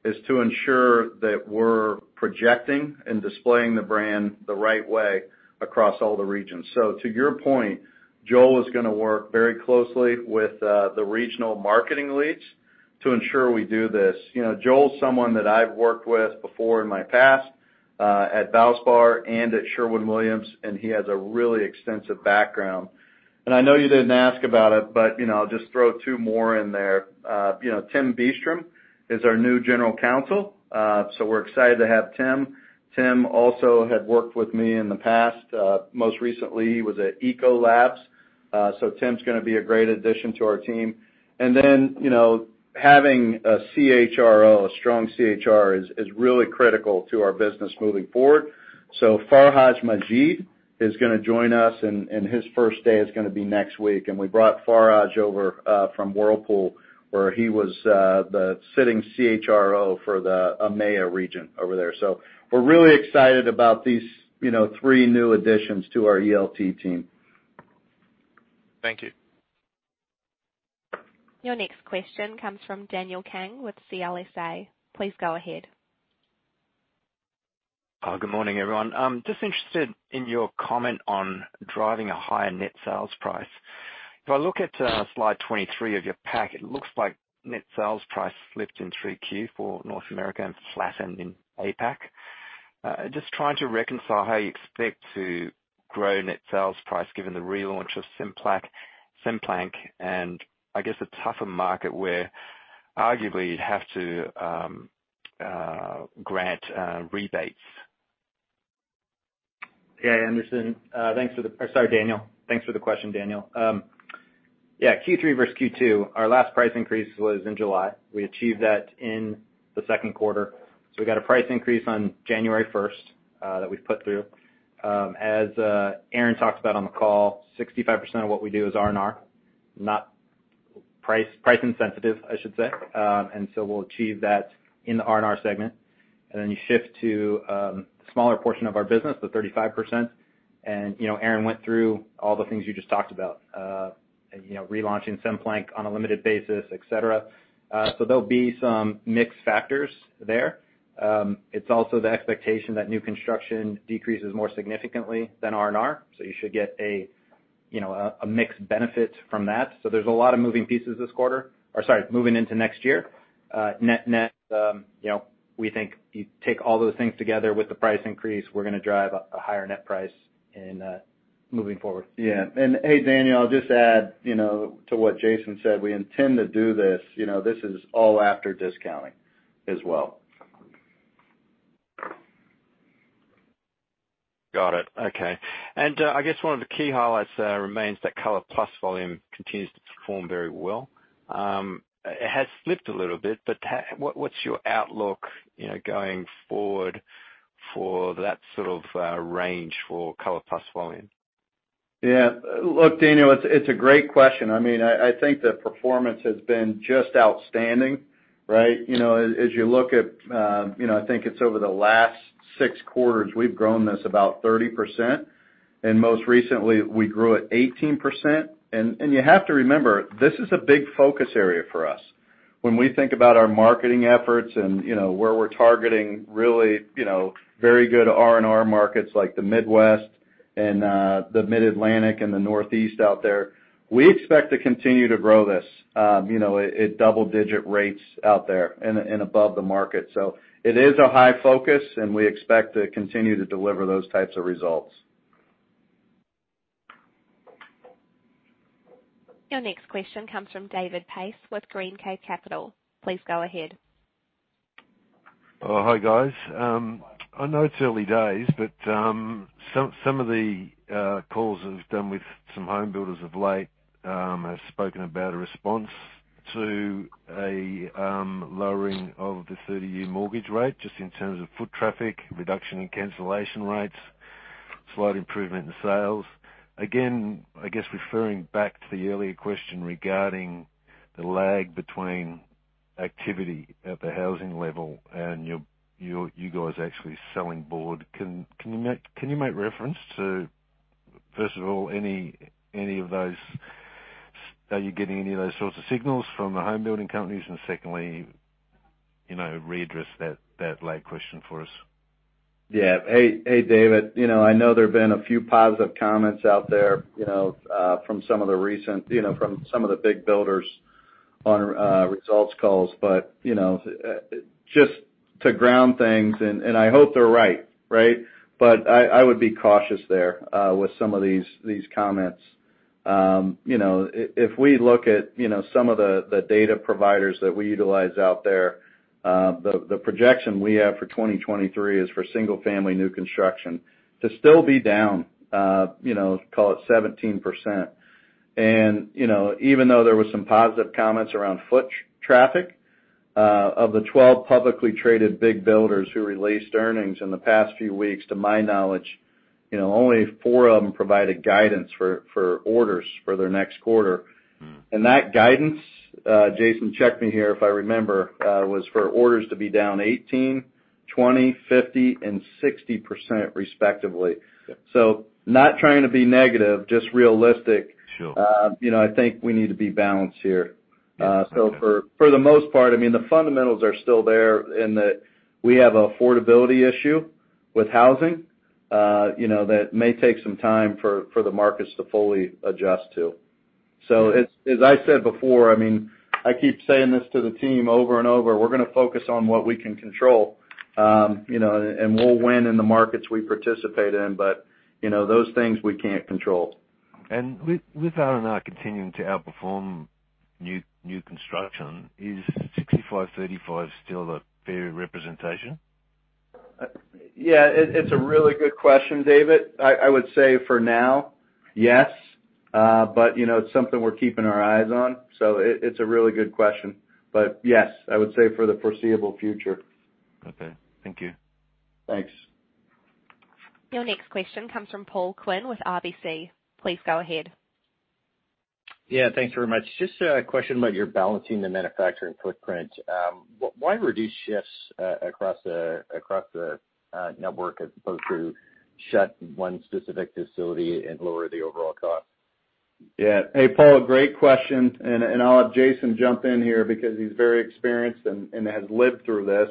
is to ensure that we're projecting and displaying the brand the right way across all the regions. To your point, Joel is gonna work very closely with the regional marketing leads to ensure we do this. You know, Joel is someone that I've worked with before in my past, at Valspar and at Sherwin-Williams, and he has a really extensive background. I know you didn't ask about it, but, you know, I'll just throw 2 more in there. You know, Tim Beastrom is our new general counsel, so we're excited to have Tim. Tim also had worked with me in the past. Most recently, he was at Ecolab. Tim's gonna be a great addition to our team. You know, having a CHRO, a strong CHRO is really critical to our business moving forward. Farhaj Majeed is gonna join us, and his first day is gonna be next week. We brought Farhad over from Whirlpool, where he was the sitting CHRO for the EMEA region over there. We're really excited about these, you know, three new additions to our ELT team. Thank you. Your next question comes from Daniel Kang with CLSA. Please go ahead. Good morning, everyone. I'm just interested in your comment on driving a higher net sales price. If I look at slide 23 of your pack, it looks like net sales price slipped in 3Q for North America and flattened in APAC. Just trying to reconcile how you expect to grow net sales price given the relaunch of SimPlank and I guess a tougher market where arguably you'd have to grant rebates. Sorry, Daniel. Thanks for the question, Daniel. Q3 versus Q2. Our last price increase was in July. We achieved that in the second quarter. We got a price increase on January 1st that we've put through. As Aaron talked about on the call, 65% of what we do is R&R, not price insensitive, I should say. We'll achieve that in the R&R segment. Then you shift to the smaller portion of our business, the 35%. You know, Aaron went through all the things you just talked about. You know, relaunching SimPlank on a limited basis, et cetera. There'll be some mix factors there. It's also the expectation that new construction decreases more significantly than R&R, so you should get a, you know, a mixed benefit from that. There's a lot of moving pieces this quarter or, sorry, moving into next year. Net, net, you know, we think you take all those things together with the price increase, we're gonna drive a higher net price in. Moving forward. Yeah. Hey, Daniel, I'll just add, you know, to what Jason said, we intend to do this. You know, this is all after discounting as well. Got it. Okay. I guess one of the key highlights, remains that ColorPlus Technology volume continues to perform very well. It has slipped a little bit, but what's your outlook, you know, going forward for that sort of, range for ColorPlus Technology volume? Yeah. Look, Daniel, it's a great question. I mean, I think the performance has been just outstanding, right? You know, as you look at, you know, I think it's over the last six quarters, we've grown this about 30%. Most recently we grew at 18%. You have to remember, this is a big focus area for us. When we think about our marketing efforts and, you know, where we're targeting really, you know, very good R&R markets like the Midwest and the Mid-Atlantic and the Northeast out there, we expect to continue to grow this, you know, at double digit rates out there and above the market. It is a high focus and we expect to continue to deliver those types of results. Your next question comes from David Pace with Greencape Capital. Please go ahead. Hi guys. I know it's early days, but some of the calls I've done with some home builders of late have spoken about a response to a lowering of the 30-year mortgage rate just in terms of foot traffic, reduction in cancellation rates, slight improvement in sales. Again, I guess referring back to the earlier question regarding the lag between activity at the housing level and you guys actually selling board. Can you make reference to, first of all, any of those? Are you getting any of those sorts of signals from the home building companies? Secondly, you know, readdress that lag question for us? Yeah. Hey, hey David. You know, I know there have been a few positive comments out there, you know, from some of the recent, you know, from some of the big builders on results calls. you know, just to ground things and I hope they're right? I would be cautious there with some of these comments. you know, if we look at, you know, some of the data providers that we utilize out there, the projection we have for 2023 is for single-family new construction to still be down, you know, call it 17%. You know, even though there was some positive comments around foot traffic, of the 12 publicly traded big builders who released earnings in the past few weeks, to my knowledge, you know, only four of them provided guidance for orders for their next quarter. Mm. That guidance, Jason check me here if I remember, was for orders to be down 18%, 20%, 50%, and 60% respectively. Yeah. Not trying to be negative, just realistic. Sure. You know, I think we need to be balanced here. For the most part, I mean, the fundamentals are still there in that we have a affordability issue with housing, you know, that may take some time for the markets to fully adjust to. As I said before, I mean, I keep saying this to the team over and over, we're gonna focus on what we can control, you know, and we'll win in the markets we participate in. You know, those things we can't control. With R&R continuing to outperform new construction, is 65/35 still a fair representation? Yeah, it's a really good question, David. I would say for now, yes. You know, it's something we're keeping our eyes on. It's a really good question. Yes, I would say for the foreseeable future. Okay. Thank you. Thanks. Your next question comes from Paul Quinn with RBC. Please go ahead. Thanks very much. A question about your balancing the manufacturing footprint. Why reduce shifts across the network as opposed to shut one specific facility and lower the overall cost? Yeah. Hey, Paul, great question, and I'll have Jason jump in here because he's very experienced and has lived through this.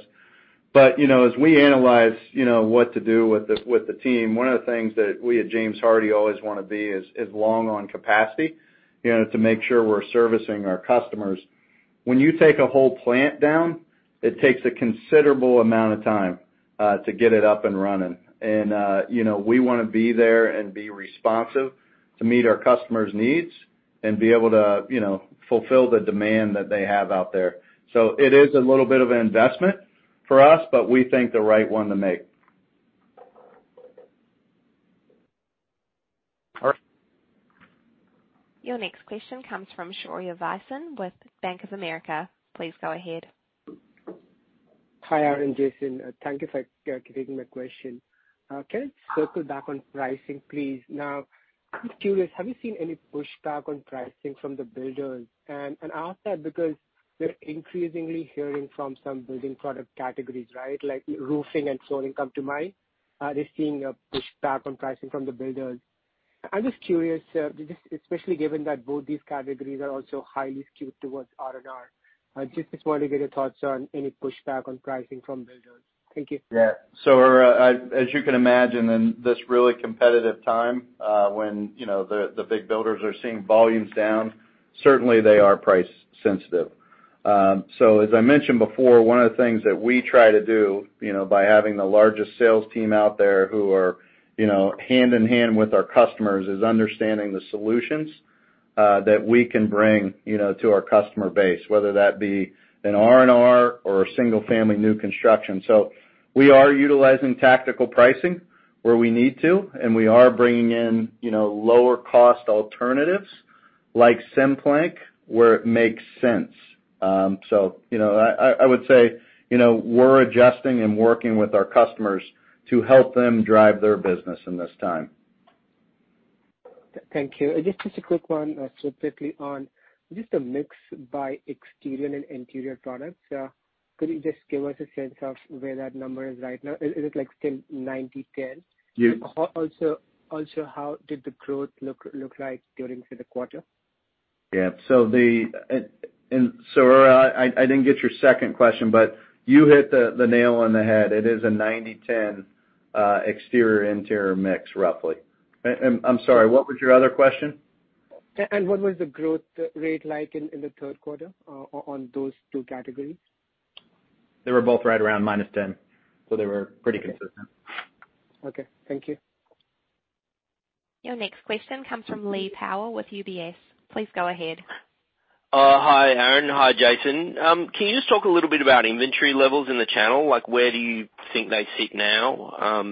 You know, as we analyze, you know, what to do with the, with the team, one of the things that we at James Hardie always wanna be is long on capacity, you know, to make sure we're servicing our customers. When you take a whole plant down, it takes a considerable amount of time to get it up and running. You know, we wanna be there and be responsive to meet our customers' needs and be able to, you know, fulfill the demand that they have out there. It is a little bit of an investment for us, but we think the right one to make. All right. Your next question comes from Shaurya Visen with Bank of America. Please go ahead. Hi, Aaron and Jason. Thank you for taking my question. Can I circle back on pricing, please? I'm curious, have you seen any pushback on pricing from the builders? I ask that because we're increasingly hearing from some building product categories, right? Like roofing and solar come to mind. They're seeing a pushback on pricing from the builders. I'm just curious, just especially given that both these categories are also highly skewed towards R&R. Just wanted to get your thoughts on any pushback on pricing from builders. Thank you. As you can imagine in this really competitive time, when, you know, the big builders are seeing volumes down, certainly they are price sensitive. As I mentioned before, one of the things that we try to do, you know, by having the largest sales team out there who are, you know, hand in hand with our customers, is understanding the solutions that we can bring, you know, to our customer base, whether that be an R&R or a single-family new construction. We are utilizing tactical pricing where we need to, and we are bringing in, you know, lower cost alternatives like SimPlank where it makes sense. I would say, you know, we're adjusting and working with our customers to help them drive their business in this time. Thank you. Just a quick one specifically on just the mix by exterior and interior products. Could you just give us a sense of where that number is right now? Is it like still 90/10? Yes. How did the growth look like during through the quarter? Yeah. Shaura, I didn't get your second question, but you hit the nail on the head. It is a 90/10 exterior/interior mix, roughly. I'm sorry, what was your other question? What was the growth rate like in the third quarter, on those two categories? They were both right around minus 10, so they were pretty consistent. Okay. Thank you. Your next question comes from Lee Power with UBS. Please go ahead. Hi, Aaron. Hi, Jason. Can you just talk a little bit about inventory levels in the channel? Like, where do you think they sit now?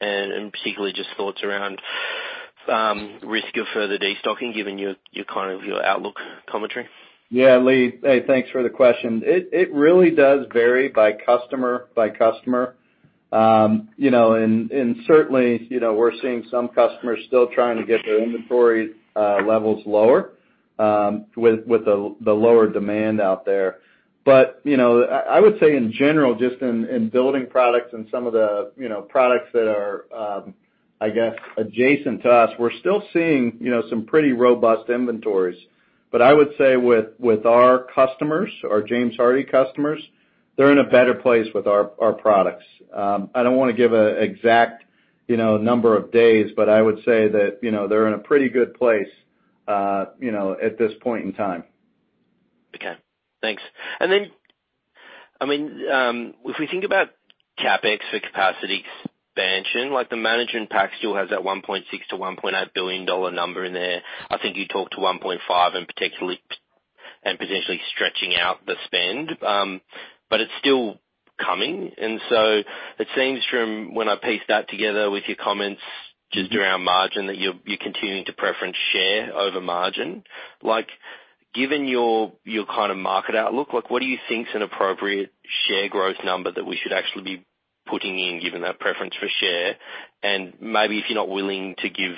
Particularly just thoughts around risk of further destocking, given your kind of, your outlook commentary. Lee. Hey, thanks for the question. It really does vary by customer by customer. you know, and certainly, you know, we're seeing some customers still trying to get their inventory levels lower with the lower demand out there. I would say in general, just in building products and some of the, you know, products that are, I guess, adjacent to us, we're still seeing, you know, some pretty robust inventories. I would say with our customers, our James Hardie customers, they're in a better place with our products. I don't wanna give a exact, you know, number of days, but I would say that, you know, they're in a pretty good place, you know, at this point in time. Okay. Thanks. I mean, if we think about CapEx for capacity expansion, like the management pack still has that $1.6 billion-$1.8 billion number in there. I think you talked to $1.5 billion, and particularly and potentially stretching out the spend. It's still coming. It seems from when I piece that together with your comments just around margin, that you're continuing to preference share over margin. Like, given your kind of market outlook, like what do you think is an appropriate share growth number that we should actually be putting in, given that preference for share? Maybe if you're not willing to give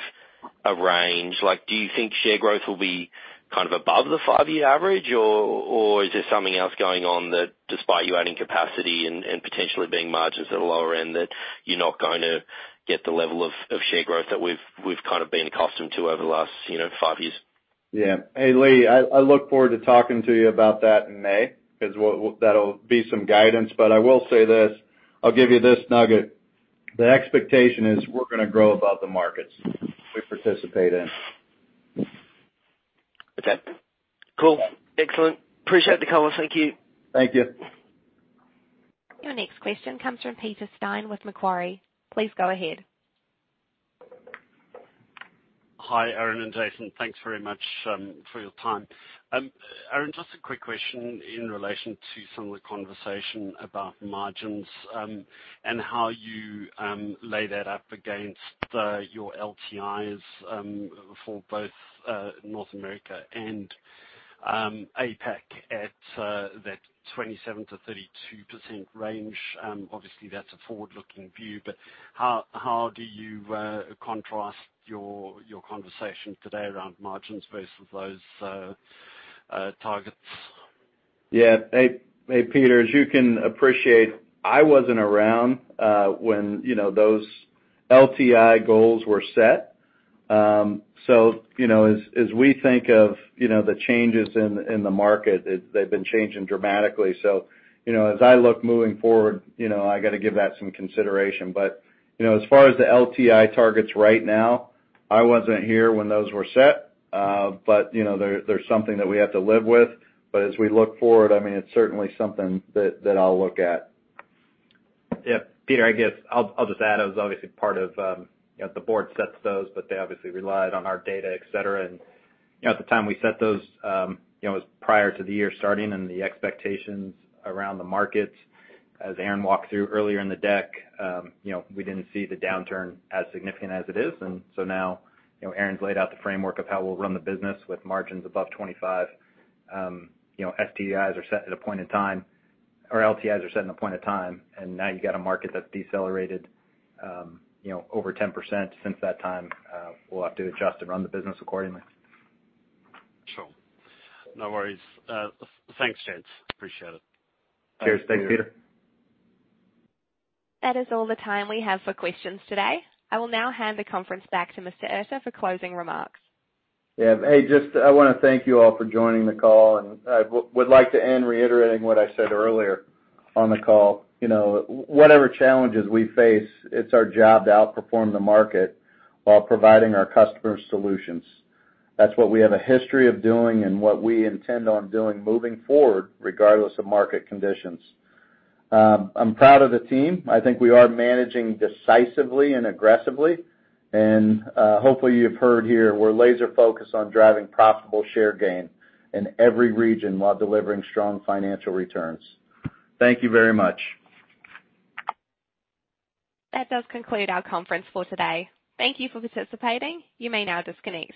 a range, like, do you think share growth will be kind of above the five-year average, or is there something else going on that despite you adding capacity and potentially being margins at a lower end, that you're not going to get the level of share growth that we've kind of been accustomed to over the last, you know, five years? Yeah. Hey, Lee, I look forward to talking to you about that in May, 'cause we'll that'll be some guidance. I will say this, I'll give you this nugget. The expectation is we're gonna grow above the markets we participate in. Okay. Cool. Excellent. Appreciate the color. Thank you. Thank you. Your next question comes from Peter Steyn with Macquarie. Please go ahead. Hi, Aaron and Jason. Thanks very much for your time. Aaron, just a quick question in relation to some of the conversation about margins and how you lay that up against your LTIs for both North America and APAC at that 27%-32% range. Obviously, that's a forward-looking view, how do you contrast your conversation today around margins versus those targets? Yeah. Hey, Peter. As you can appreciate, I wasn't around when, you know, those LTI goals were set. You know, as we think of, you know, the changes in the market, they've been changing dramatically. You know, as I look moving forward, you know, I gotta give that some consideration. You know, as far as the LTI targets right now, I wasn't here when those were set. You know, they're something that we have to live with. As we look forward, I mean, it's certainly something that I'll look at. Yeah. Peter, I guess I'll just add, I was obviously part of, you know, the board sets those, but they obviously relied on our data, et cetera. You know, at the time we set those, you know, it was prior to the year starting and the expectations around the markets. As Aaron walked through earlier in the deck, you know, we didn't see the downturn as significant as it is. Now, you know, Aaron's laid out the framework of how we'll run the business with margins above 25. You know, STIs are set at a point in time or LTIs are set in a point in time, and now you got a market that's decelerated, you know, over 10% since that time. We'll have to adjust and run the business accordingly. Sure. No worries. Thanks, gents. Appreciate it. Cheers. Thanks, Peter. Thanks, Peter. That is all the time we have for questions today. I will now hand the conference back to Mr. Erter for closing remarks. Yeah. Hey, just I wanna thank you all for joining the call. I would like to end reiterating what I said earlier on the call. You know, whatever challenges we face, it's our job to outperform the market while providing our customers solutions. That's what we have a history of doing and what we intend on doing moving forward, regardless of market conditions. I'm proud of the team. I think we are managing decisively and aggressively. Hopefully you've heard here we're laser focused on driving profitable share gain in every region while delivering strong financial returns. Thank you very much. That does conclude our conference for today. Thank you for participating. You may now disconnect.